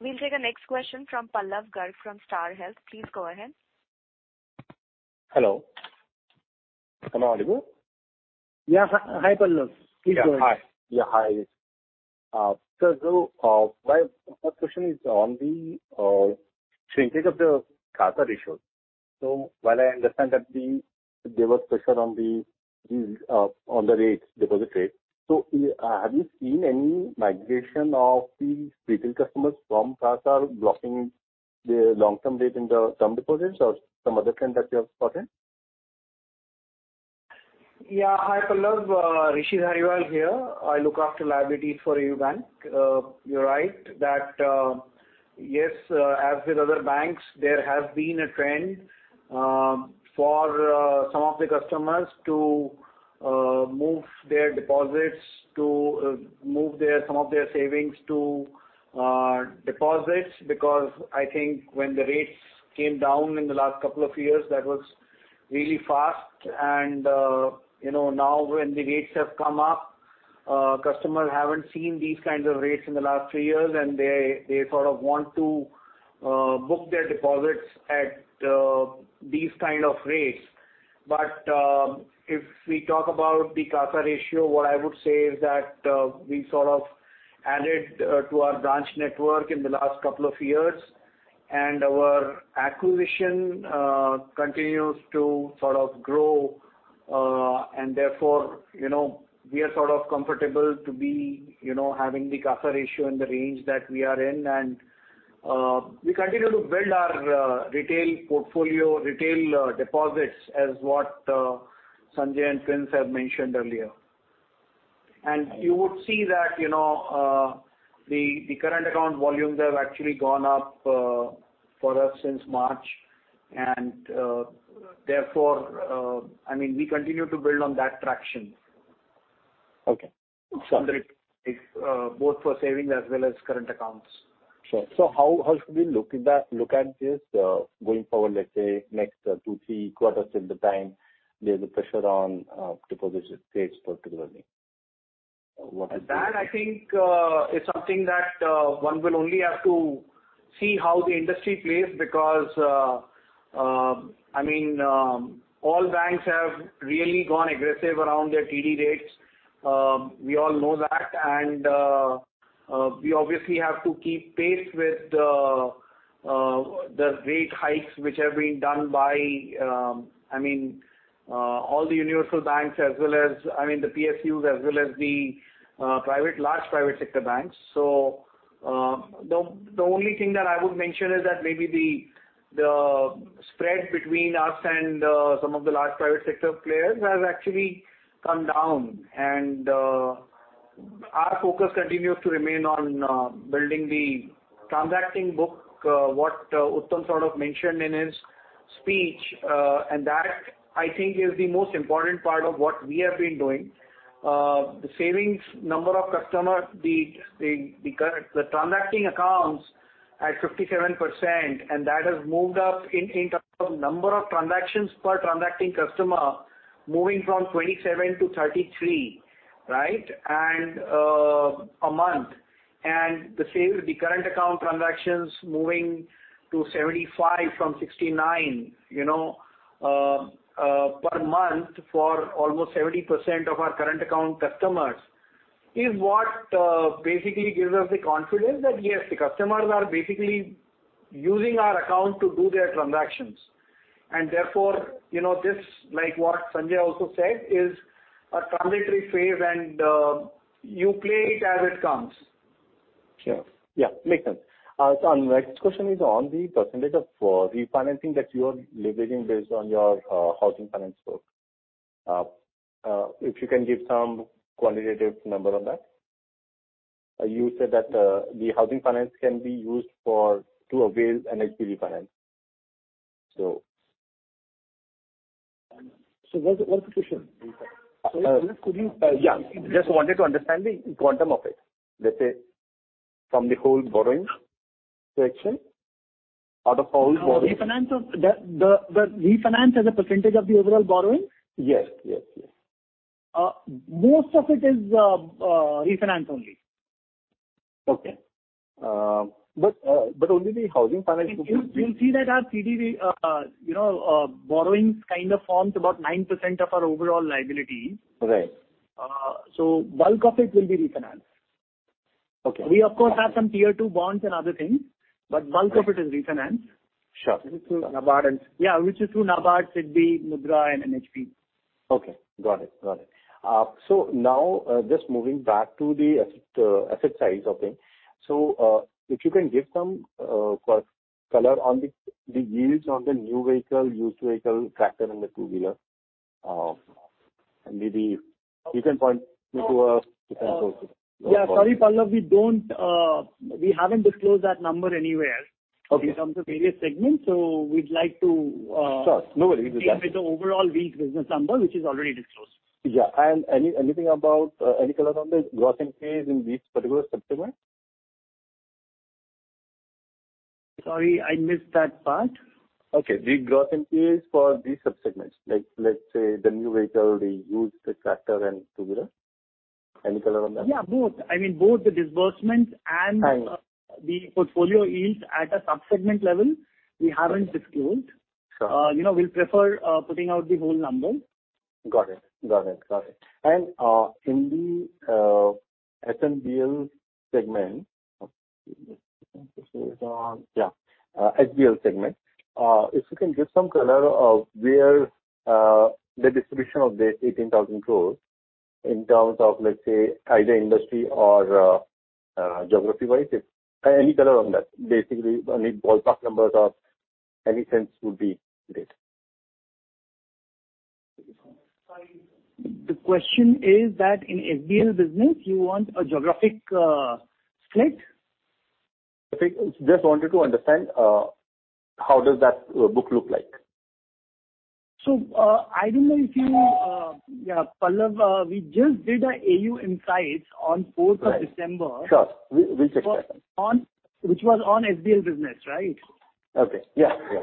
We'll take the next question from Pallav Garg from Star Health. Please go ahead. Hello. Am I audible? Yeah. Hi, Pallav. Please go ahead. Yeah. Hi. Yeah, hi. My first question is on the shrinkage of the CASA ratio. While I understand that there was pressure on the rates, deposit rates. Have you seen any migration of these retail customers from CASA blocking the long-term rate in the term deposits or some other trend that you have spotted? Yeah. Hi, Pallav. Rishi Dhariwal here. I look after liabilities for AU Bank. you're right that, yes, as with other banks, there has been a trend, for some of the customers to move their deposits to some of their savings to deposits because I think when the rates came down in the last two years, that was really fast and, you know, now when the rates have come up, customers haven't seen these kinds of rates in the last three years and they sort of want to book their deposits at these kind of rates. If we talk about the CASA ratio, what I would say is that we sort of added to our branch network in the last couple of years and our acquisition continues to sort of grow. Therefore, you know, we are sort of comfortable to be, you know, having the CASA ratio in the range that we are in and we continue to build our retail portfolio, retail deposits as what Sanjay and Prince have mentioned earlier. You would see that, you know, the current account volumes have actually gone up for us since March and therefore, I mean, we continue to build on that traction. Okay. Under it, both for savings as well as current accounts. Sure. How should we look at that, look at this, going forward, let's say next two, three quarters at the time there's a pressure on, deposit rates particularly? That, I think, is something that one will only have to see how the industry plays because, I mean, all banks have really gone aggressive around their TD rates. We all know that, and we obviously have to keep pace with the rate hikes which have been done by, I mean, all the universal banks as well as, I mean, the PSUs as well as the private, large private sector banks. The only thing that I would mention is that maybe the spread between us and some of the large private sector players has actually come down, and our focus continues to remain on building the transacting book, what Uttam sort of mentioned in his speech. That I think is the most important part of what we have been doing. The savings number of customer, the transacting accounts at 57% and that has moved up in terms of number of transactions per transacting customer moving from 27-33, right? A month. The same with the current account transactions moving to 75 from 69, you know, per month for almost 70% of our current account customers is what basically gives us the confidence that yes, the customers are basically using our account to do their transactions. Therefore, you know, this like what Sanjay also said is a transitory phase and you play it as it comes. Sure. Yeah, makes sense. Next question is on the % of refinancing that you are leveraging based on your housing finance book. If you can give some quantitative number on that. You said that the housing finance can be used for to avail an HPB finance. What's the question? Sorry, could you- Yeah. Just wanted to understand the quantum of it. Let's say from the whole borrowing section. Out of whole borrowing. The refinance as a % of the overall borrowing? Yes. Yes, yes. Most of it is refinance only. Okay. only the housing finance- You'll see that our CDV, you know, borrowings kind of forms about 9% of our overall liabilities. Right. Bulk of it will be refinance. Okay. We of course, have some tier two bonds and other things, but bulk of it is refinance. Sure. Which is through NABARD, SIDBI, MUDRA and NHB. Okay. Got it. Now, just moving back to the asset size of things. If you can give some color on the yields on the new vehicle, used vehicle, tractor and the two-wheeler. Maybe you can point me to a different person. Yeah. Sorry, Pallav, we don't, we haven't disclosed that number anywhere. Okay. In terms of various segments. we'd like to, Sure, no worries. Stick with the overall wheel business number, which is already disclosed. Yeah. Anything about any color on the growth in fees in these particular sub-segments? Sorry, I missed that part. Okay. The growth in fees for these sub-segments, like let's say the new vehicle, the used, the tractor and two-wheeler. Any color on that? Yeah, both. I mean, both the disbursements and the portfolio yield at a sub-segment level, we haven't disclosed. Sure. You know, we'll prefer, putting out the whole number. Got it. Got it. Got it. In the SML segment, SBL segment, if you can give some color of where the distribution of the 18,000 crores in terms of, let's say, either industry or geography wise. Any color on that. Basically, only ballpark numbers or any sense would be great. Sorry. The question is that in SBL business you want a geographic split? Just wanted to understand, how does that book look like. I don't know if you, yeah, Pallav, we just did a AU Insights on fourth of December. Sure. We'll check that. Which was on HBL business, right? Okay. Yeah, yeah.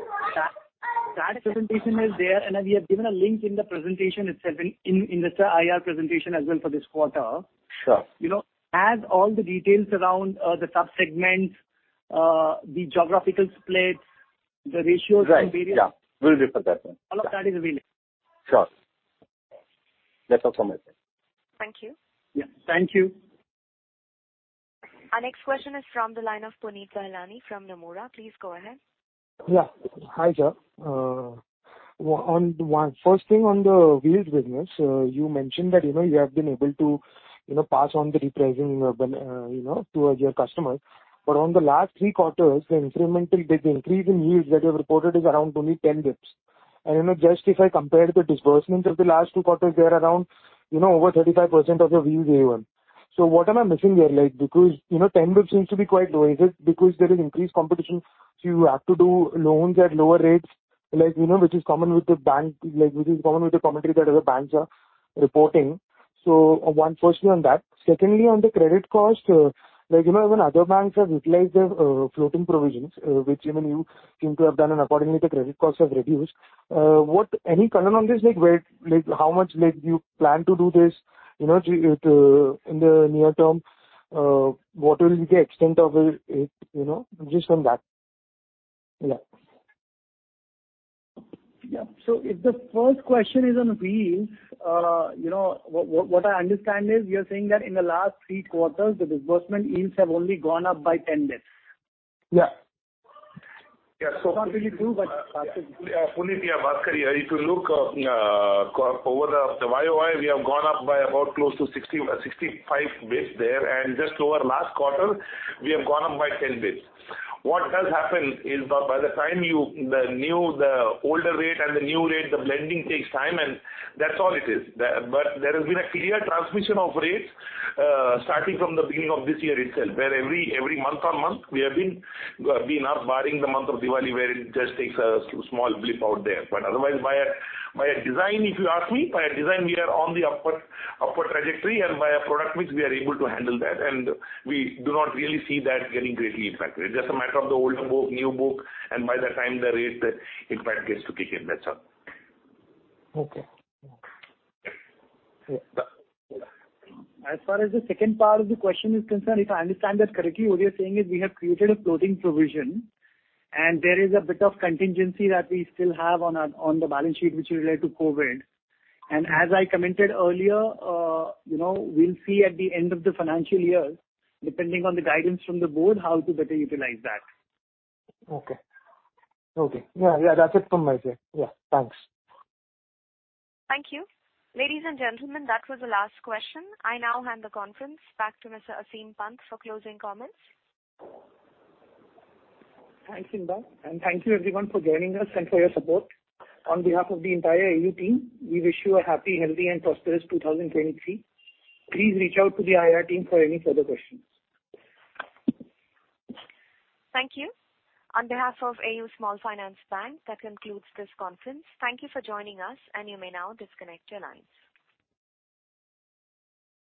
That presentation is there, and we have given a link in the presentation itself in the IR presentation as well for this quarter. Sure. You know, has all the details around, the sub-segments, the geographical split, the ratios and Right. Yeah. Will refer that one. All of that is available. Sure. That's all from my side. Thank you. Yeah. Thank you. Our next question is from the line of Punit Bahlani from Nomura. Please go ahead. Yeah. Hi, sir. First thing on the wheels business, you mentioned that, you know, you have been able to, you know, pass on the repricing, you know, to your customers. On the last three quarters, the incremental, the increase in yields that you have reported is around only 10 basis points. You know, just if I compare the disbursements of the last two quarters, they are around, you know, over 35% of your wheels AUM. What am I missing here? Like, because, you know, 10 basis points seems to be quite low. Is it because there is increased competition, so you have to do loans at lower rates, like, you know, which is common with the bank, like which is common with the commentary that other banks are reporting? One question on that. Secondly, on the credit cost, like, you know, when other banks have utilized their floating provisions, which even you seem to have done and accordingly the credit costs have reduced, what any color on this? Like where, like how much like do you plan to do this, you know, to, in the near term? What will be the extent of it, you know? Just on that. Yeah. Yeah. If the first question is on wheels, you know, what I understand is you're saying that in the last three quarters, the disbursement yields have only gone up by 10 basis points. Yeah. It's not really true. Punit, yeah, Bhaskar here. If you look over the year-over-year, we have gone up by about close to 60, 65 basis points there, and just over last quarter we have gone up by 10 basis points. What does happen is that by the time you, the new, the older rate and the new rate, the blending takes time, and that's all it is. There has been a clear transmission of rates starting from the beginning of this year itself, where every month-on-month we have been up barring the month of Diwali where it just takes a small blip out there. Otherwise via design, if you ask me, via design we are on the upward trajectory and via product mix we are able to handle that and we do not really see that getting greatly impacted. Just a matter of the older book, new book and by the time the rate impact gets to kick in. That's all. Okay. As far as the second part of the question is concerned, if I understand that correctly, what you're saying is we have created a floating provision and there is a bit of contingency that we still have on our, on the balance sheet which is related to COVID. As I commented earlier, you know, we'll see at the end of the financial year, depending on the guidance from the board, how to better utilize that. Okay. Okay. Yeah, yeah, that's it from my side. Yeah. Thanks. Thank you. Ladies and gentlemen, that was the last question. I now hand the conference back to Mr. Aseem Pant for closing comments. Thanks, Insiya, thank you everyone for joining us and for your support. On behalf of the entire AU team, we wish you a happy, healthy and prosperous 2023. Please reach out to the IR team for any further questions. Thank you. On behalf of AU Small Finance Bank, that concludes this conference. Thank you for joining us, and you may now disconnect your lines.